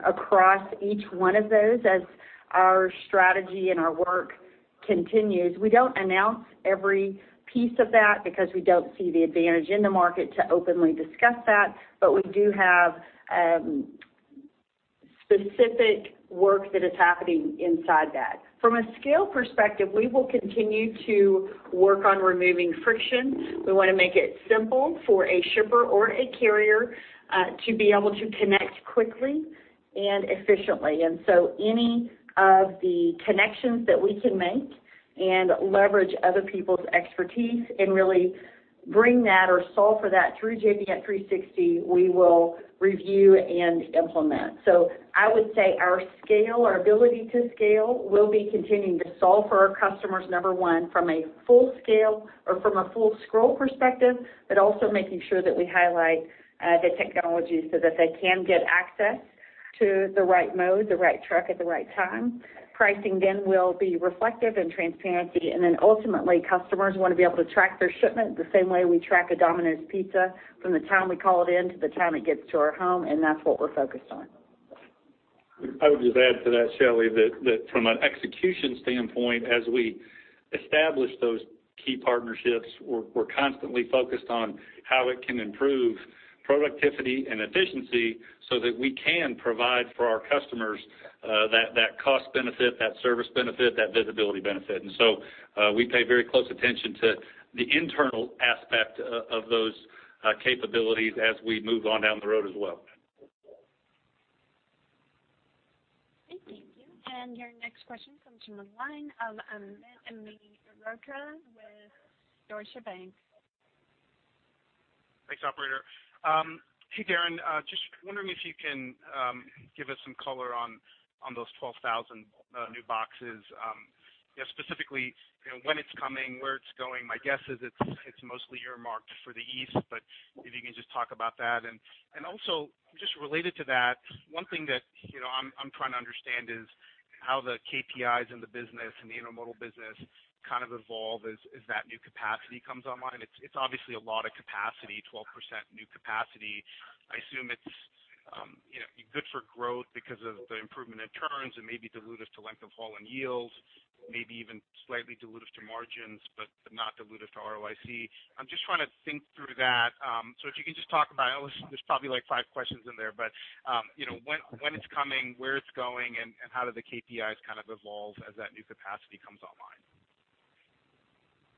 across each one of those as our strategy and our work continues. We don't announce every piece of that because we don't see the advantage in the market to openly discuss that. We do have specific work that is happening inside that. From a scale perspective, we will continue to work on removing friction. We want to make it simple for a shipper or a carrier to be able to connect quickly and efficiently. Any of the connections that we can make and leverage other people's expertise and really bring that or solve for that through J.B. Hunt 360, we will review and implement. I would say our scale, our ability to scale, will be continuing to solve for our customers, number one, from a full-scale or from a full scroll perspective, but also making sure that we highlight the technology so that they can get access to the right mode, the right truck at the right time. Pricing will be reflective and transparent. Ultimately, customers want to be able to track their shipment the same way we track a Domino's Pizza from the time we call it in to the time it gets to our home, and that's what we're focused on. I would just add to that, Shelley, that from an execution standpoint, as we establish those key partnerships, we're constantly focused on how it can improve productivity and efficiency so that we can provide for our customers that cost benefit, that service benefit, that visibility benefit. We pay very close attention to the internal aspect of those capabilities as we move on down the road as well. Thank you. Your next question comes from the line of Amit Mehrotra with Deutsche Bank. Thanks, operator. Hey, Darren. Just wondering if you can give us some color on those 12,000 new boxes. Specifically, when it's coming, where it's going. My guess is it's mostly earmarked for the East, but if you can just talk about that. Also just related to that, one thing that I'm trying to understand is how the KPIs in the business, in the intermodal business, kind of evolve as that new capacity comes online. It's obviously a lot of capacity, 12% new capacity. I assume it's good for growth because of the improvement in turns and maybe dilutive to length of haul and yields, maybe even slightly dilutive to margins, but not dilutive to ROIC. I'm just trying to think through that. If you can just talk about, there's probably five questions in there, but when it's coming, where it's going, and how do the KPIs kind of evolve as that new capacity comes online?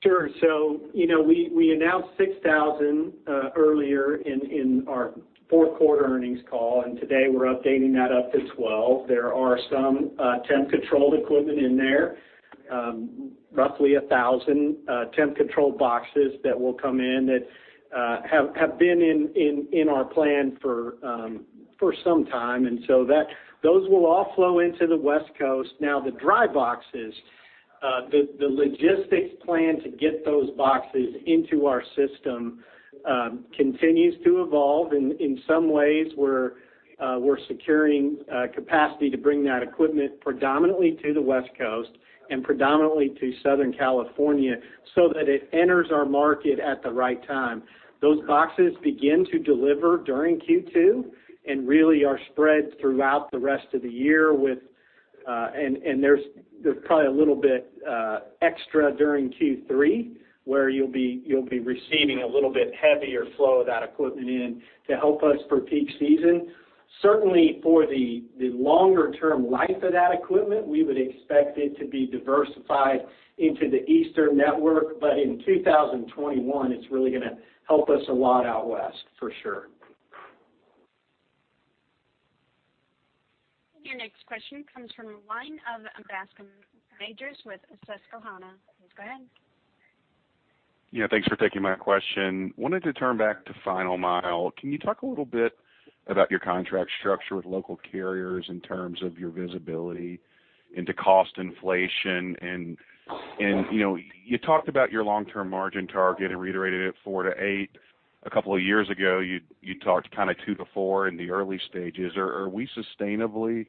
Sure. We announced 6,000 earlier in our fourth quarter earnings call, and today we're updating that up to 12. There are some temp controlled equipment in there. Roughly 1,000 temp controlled boxes that will come in that have been in our plan for some time, those will all flow into the West Coast. The dry boxes, the logistics plan to get those boxes into our system continues to evolve. In some ways, we're securing capacity to bring that equipment predominantly to the West Coast and predominantly to Southern California so that it enters our market at the right time. Those boxes begin to deliver during Q2 and really are spread throughout the rest of the year. There's probably a little bit extra during Q3, where you'll be receiving a little bit heavier flow of that equipment in to help us for peak season. Certainly for the longer term life of that equipment, we would expect it to be diversified into the Eastern network. In 2021, it's really going to help us a lot out West, for sure. Your next question comes from the line of Bascome Majors with Susquehanna. Please go ahead. Yeah. Thanks for taking my question. I wanted to turn back to final mile. Can you talk a little bit about your contract structure with local carriers in terms of your visibility into cost inflation? You talked about your long-term margin target and reiterated it 4%-8%. A couple of years ago, you talked 2%-4% in the early stages. Are we sustainably,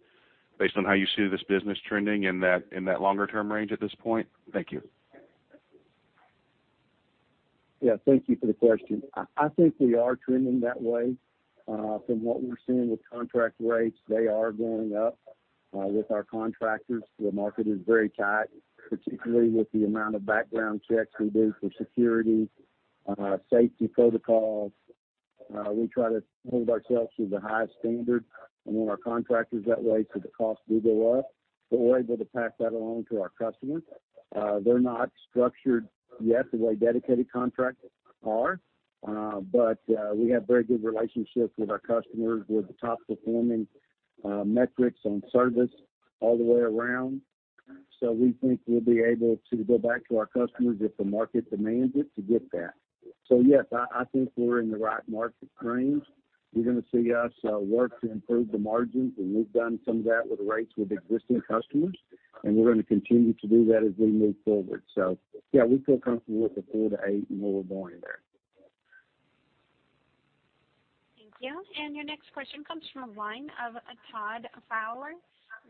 based on how you see this business trending, in that longer term range at this point? Thank you. Yeah. Thank you for the question. I think we are trending that way. From what we're seeing with contract rates, they are going up with our contractors. The market is very tight, particularly with the amount of background checks we do for security, safety protocols. We try to hold ourselves to the highest standard and then our contractors that way, so the costs do go up. We're able to pass that along to our customers. They're not structured yet the way dedicated contracts are. We have very good relationships with our customers. We have the top performing metrics on service all the way around. We think we'll be able to go back to our customers if the market demands it, to get that. Yes, I think we're in the right market range. You're going to see us work to improve the margins, and we've done some of that with rates with existing customers, and we're going to continue to do that as we move forward. Yeah, we feel comfortable with the 4%-8% and where we're going there. Thank you. Your next question comes from the line of Todd Fowler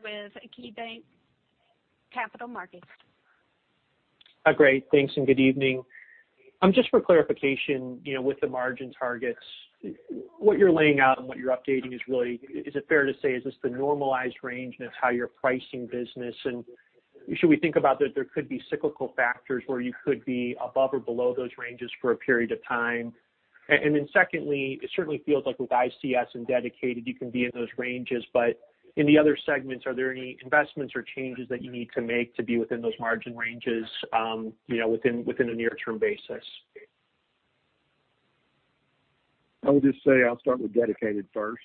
with KeyBanc Capital Markets. Great. Thanks, good evening. Just for clarification, with the margin targets, what you're laying out and what you're updating is really, is it fair to say, is this the normalized range and it's how you're pricing business? Should we think about that there could be cyclical factors where you could be above or below those ranges for a period of time? Secondly, it certainly feels like with ICS and Dedicated, you can be in those ranges. In the other segments, are there any investments or changes that you need to make to be within those margin ranges within a near-term basis? I would just say I'll start with Dedicated first.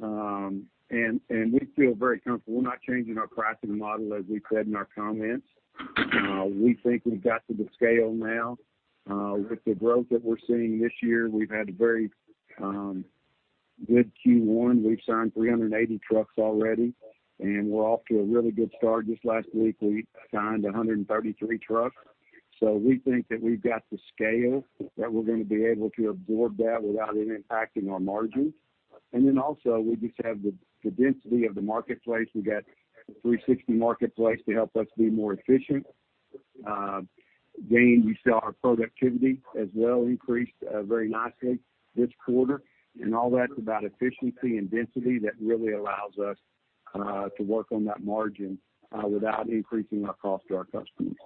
We feel very comfortable. We're not changing our pricing model as we said in our comments. We think we've got to the scale now. With the growth that we're seeing this year, we've had a very good Q1. We've signed 380 trucks already. We're off to a really good start. Just last week, we signed 133 trucks. We think that we've got the scale that we're going to be able to absorb that without it impacting our margins. Also, we just have the density of the marketplace. We got the 360 marketplace to help us be more efficient. Gain, we saw our productivity as well increased very nicely this quarter, all that's about efficiency and density that really allows us to work on that margin without increasing our cost to our customers.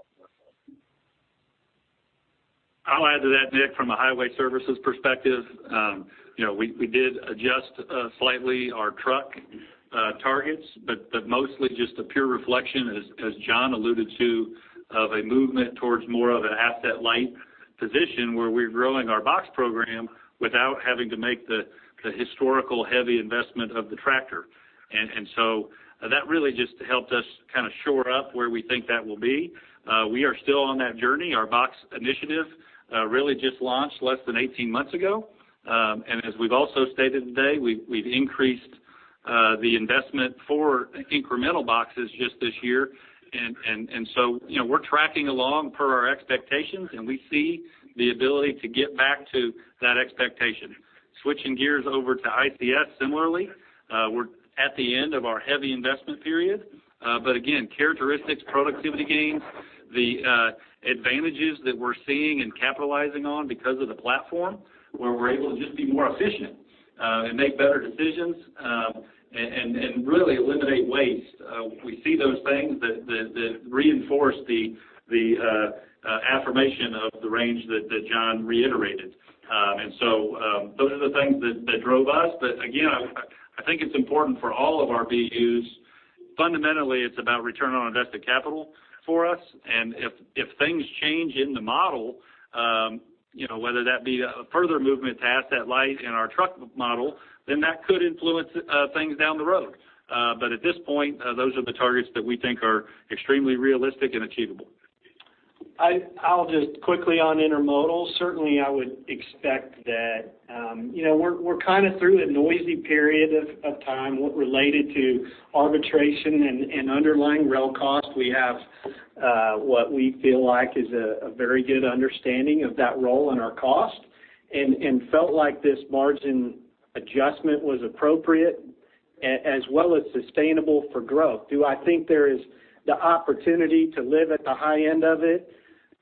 I'll add to that, Nick, from a Highway Services perspective. We did adjust slightly our truck targets, mostly just a pure reflection, as John alluded to, of a movement towards more of an asset-light position where we're growing our Box Program without having to make the historical heavy investment of the tractor. That really just helped us shore up where we think that will be. We are still on that journey. Our Box Initiative really just launched less than 18 months ago. As we've also stated today, we've increased the investment for incremental boxes just this year. We're tracking along per our expectations, and we see the ability to get back to that expectation. Switching gears over to ICS similarly, we're at the end of our heavy investment period. Characteristics, productivity gains, the advantages that we're seeing and capitalizing on because of the platform, where we're able to just be more efficient and make better decisions and really eliminate waste. We see those things that reinforce the affirmation of the range that John reiterated. Those are the things that drove us. I think it's important for all of our BUs. Fundamentally, it's about return on invested capital for us. If things change in the model, whether that be a further movement to asset light in our truck model, then that could influence things down the road. At this point, those are the targets that we think are extremely realistic and achievable. I'll just quickly on Intermodal. Certainly, I would expect that we're kind of through the noisy period of time related to arbitration and underlying rail cost. We have what we feel like is a very good understanding of that rail in our cost and felt like this margin adjustment was appropriate as well as sustainable for growth. Do I think there is the opportunity to live at the high end of it?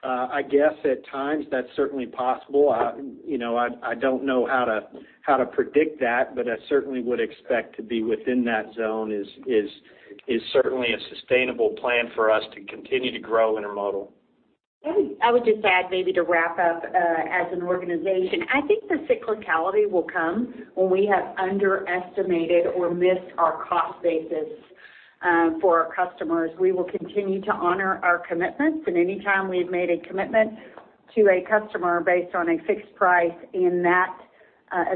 I guess at times that's certainly possible. I don't know how to predict that, but I certainly would expect to be within that zone is certainly a sustainable plan for us to continue to grow Intermodal. I would just add maybe to wrap up as an organization. I think the cyclicality will come when we have underestimated or missed our cost basis for our customers. We will continue to honor our commitments. Anytime we've made a commitment to a customer based on a fixed price and that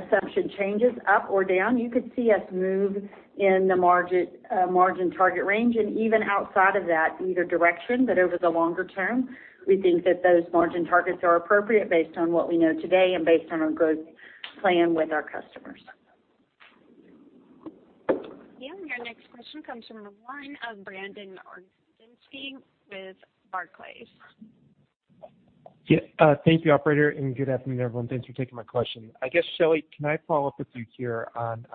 assumption changes up or down, you could see us move in the margin target range and even outside of that either direction. Over the longer term, we think that those margin targets are appropriate based on what we know today and based on a good plan with our customers. Yeah. Your next question comes from the line of Brandon Oglenski with Barclays. Yeah. Thank you, operator, and good afternoon, everyone. Thanks for taking my question. I guess, Shelley, can I follow up with you here on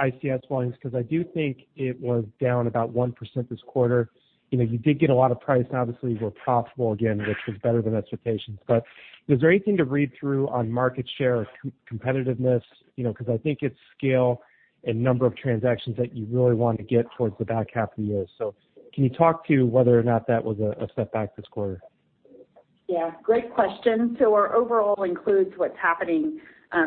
ICS volumes? I do think it was down about 1% this quarter. You did get a lot of price, and obviously you were profitable again, which was better than expectations. Is there anything to read through on market share or competitiveness? I think it's scale and number of transactions that you really want to get towards the back half of the year. Can you talk to whether or not that was a setback this quarter? Yeah. Great question. Our overall includes what's happening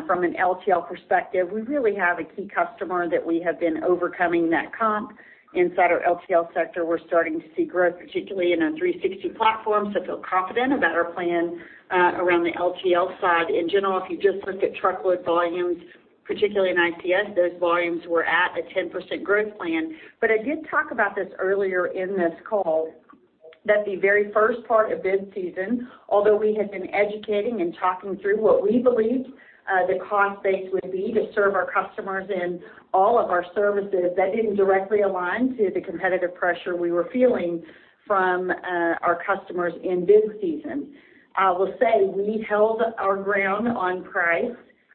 from an LTL perspective. We really have a key customer that we have been overcoming that comp inside our LTL sector. We're starting to see growth, particularly in our 360 platform, so feel confident about our plan around the LTL side. In general, if you just look at truckload volumes, particularly in ICS, those volumes were at a 10% growth plan. I did talk about this earlier in this call. That the very first part of bid season, although we had been educating and talking through what we believed the cost base would be to serve our customers in all of our services, that didn't directly align to the competitive pressure we were feeling from our customers in bid season. I will say we held our ground on price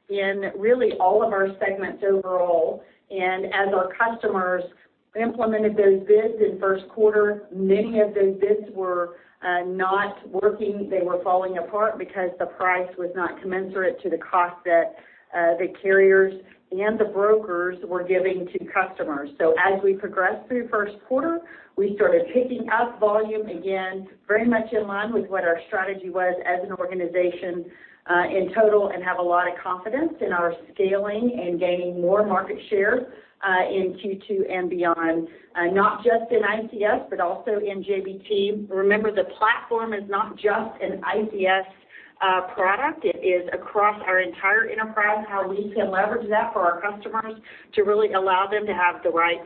in really all of our segments overall, and as our customers implemented those bids in first quarter, many of those bids were not working. They were falling apart because the price was not commensurate to the cost that the carriers and the brokers were giving to customers. As we progressed through first quarter, we started picking up volume again, very much in line with what our strategy was as an organization in total, and have a lot of confidence in our scaling and gaining more market share in Q2 and beyond, not just in ICS, but also in JBT. Remember, the platform is not just an ICS product. It is across our entire enterprise, how we can leverage that for our customers to really allow them to have the right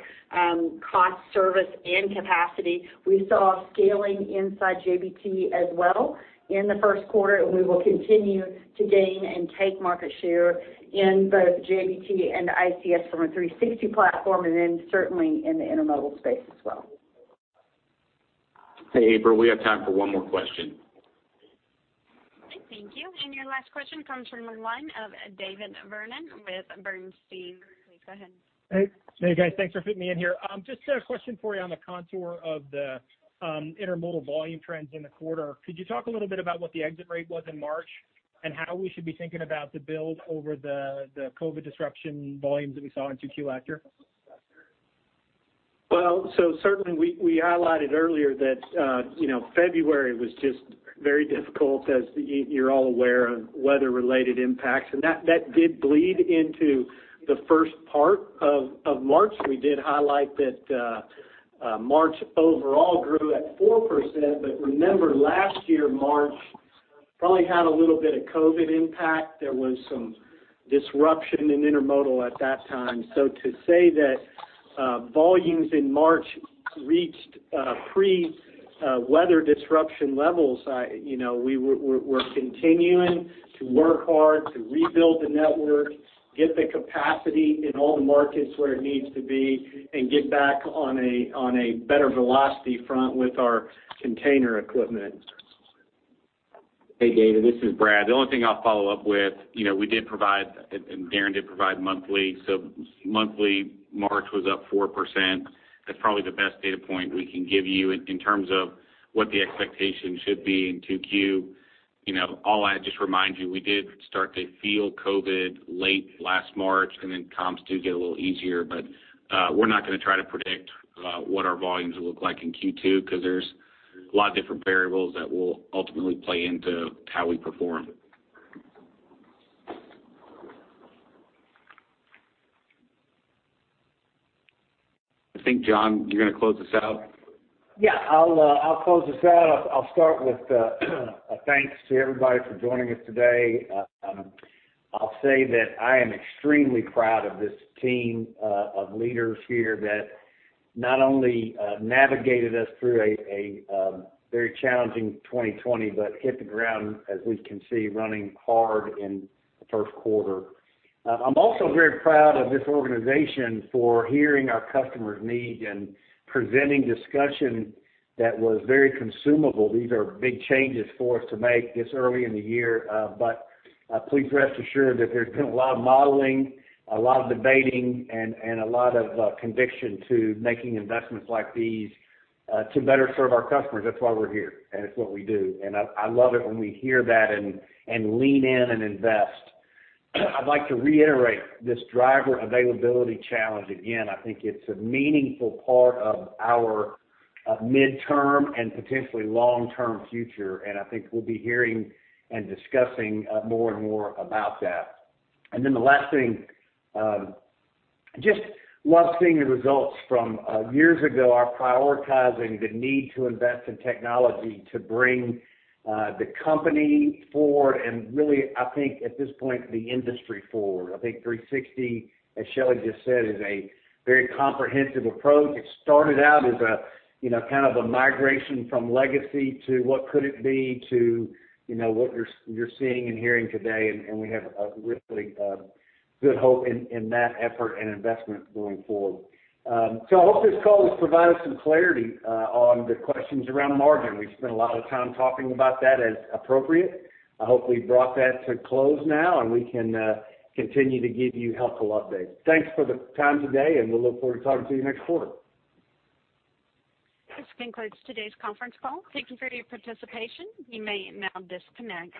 cost, service, and capacity. We saw scaling inside JBT as well in the first quarter, and we will continue to gain and take market share in both JBT and ICS from a 360 platform, and then certainly in the intermodal space as well. Hey, April, we have time for one more question. Okay, thank you. Your last question comes from the line of David Vernon with Bernstein. Please go ahead. Hey, guys. Thanks for fitting me in here. Just a question for you on the contour of the intermodal volume trends in the quarter. Could you talk a little bit about what the exit rate was in March and how we should be thinking about the build over the COVID disruption volumes that we saw in Q2 last year? Certainly we highlighted earlier that February was just very difficult, as you're all aware, of weather-related impacts, and that did bleed into the first part of March. We did highlight that March overall grew at 4%. Remember, last year, March probably had a little bit of COVID impact. There was some disruption in intermodal at that time. To say that volumes in March reached pre-weather disruption levels, we're continuing to work hard to rebuild the network, get the capacity in all the markets where it needs to be, and get back on a better velocity front with our container equipment. Hey, David, this is Brad. The only thing I'll follow up with, we did provide, and Darren did provide monthly. Monthly, March was up 4%. That's probably the best data point we can give you in terms of what the expectation should be in Q2. I'll just remind you, we did start to feel COVID late last March, and then comps do get a little easier. We're not going to try to predict what our volumes will look like in Q2 because there's a lot of different variables that will ultimately play into how we perform. I think, John, you're going to close us out? Yeah, I'll close this out. I'll start with a thanks to everybody for joining us today. I'll say that I am extremely proud of this team of leaders here that not only navigated us through a very challenging 2020, but hit the ground, as we can see, running hard in the first quarter. I'm also very proud of this organization for hearing our customers' needs and presenting discussion that was very consumable. These are big changes for us to make this early in the year. Please rest assured that there's been a lot of modeling, a lot of debating, and a lot of conviction to making investments like these to better serve our customers. That's why we're here, and it's what we do. I love it when we hear that and lean in and invest. I'd like to reiterate this driver availability challenge again. I think it's a meaningful part of our midterm and potentially long-term future, and I think we'll be hearing and discussing more and more about that. The last thing, just love seeing the results from years ago, our prioritizing the need to invest in technology to bring the company forward, and really, I think at this point, the industry forward. I think 360, as Shelley just said, is a very comprehensive approach. It started out as a kind of a migration from legacy to what could it be to what you're seeing and hearing today, and we have a really good hope in that effort and investment going forward. I hope this call has provided some clarity on the questions around margin. We spent a lot of time talking about that as appropriate. I hope we've brought that to close now, and we can continue to give you helpful updates. Thanks for the time today, and we'll look forward to talking to you next quarter. This concludes today's conference call. Thank you for your participation. You may now disconnect.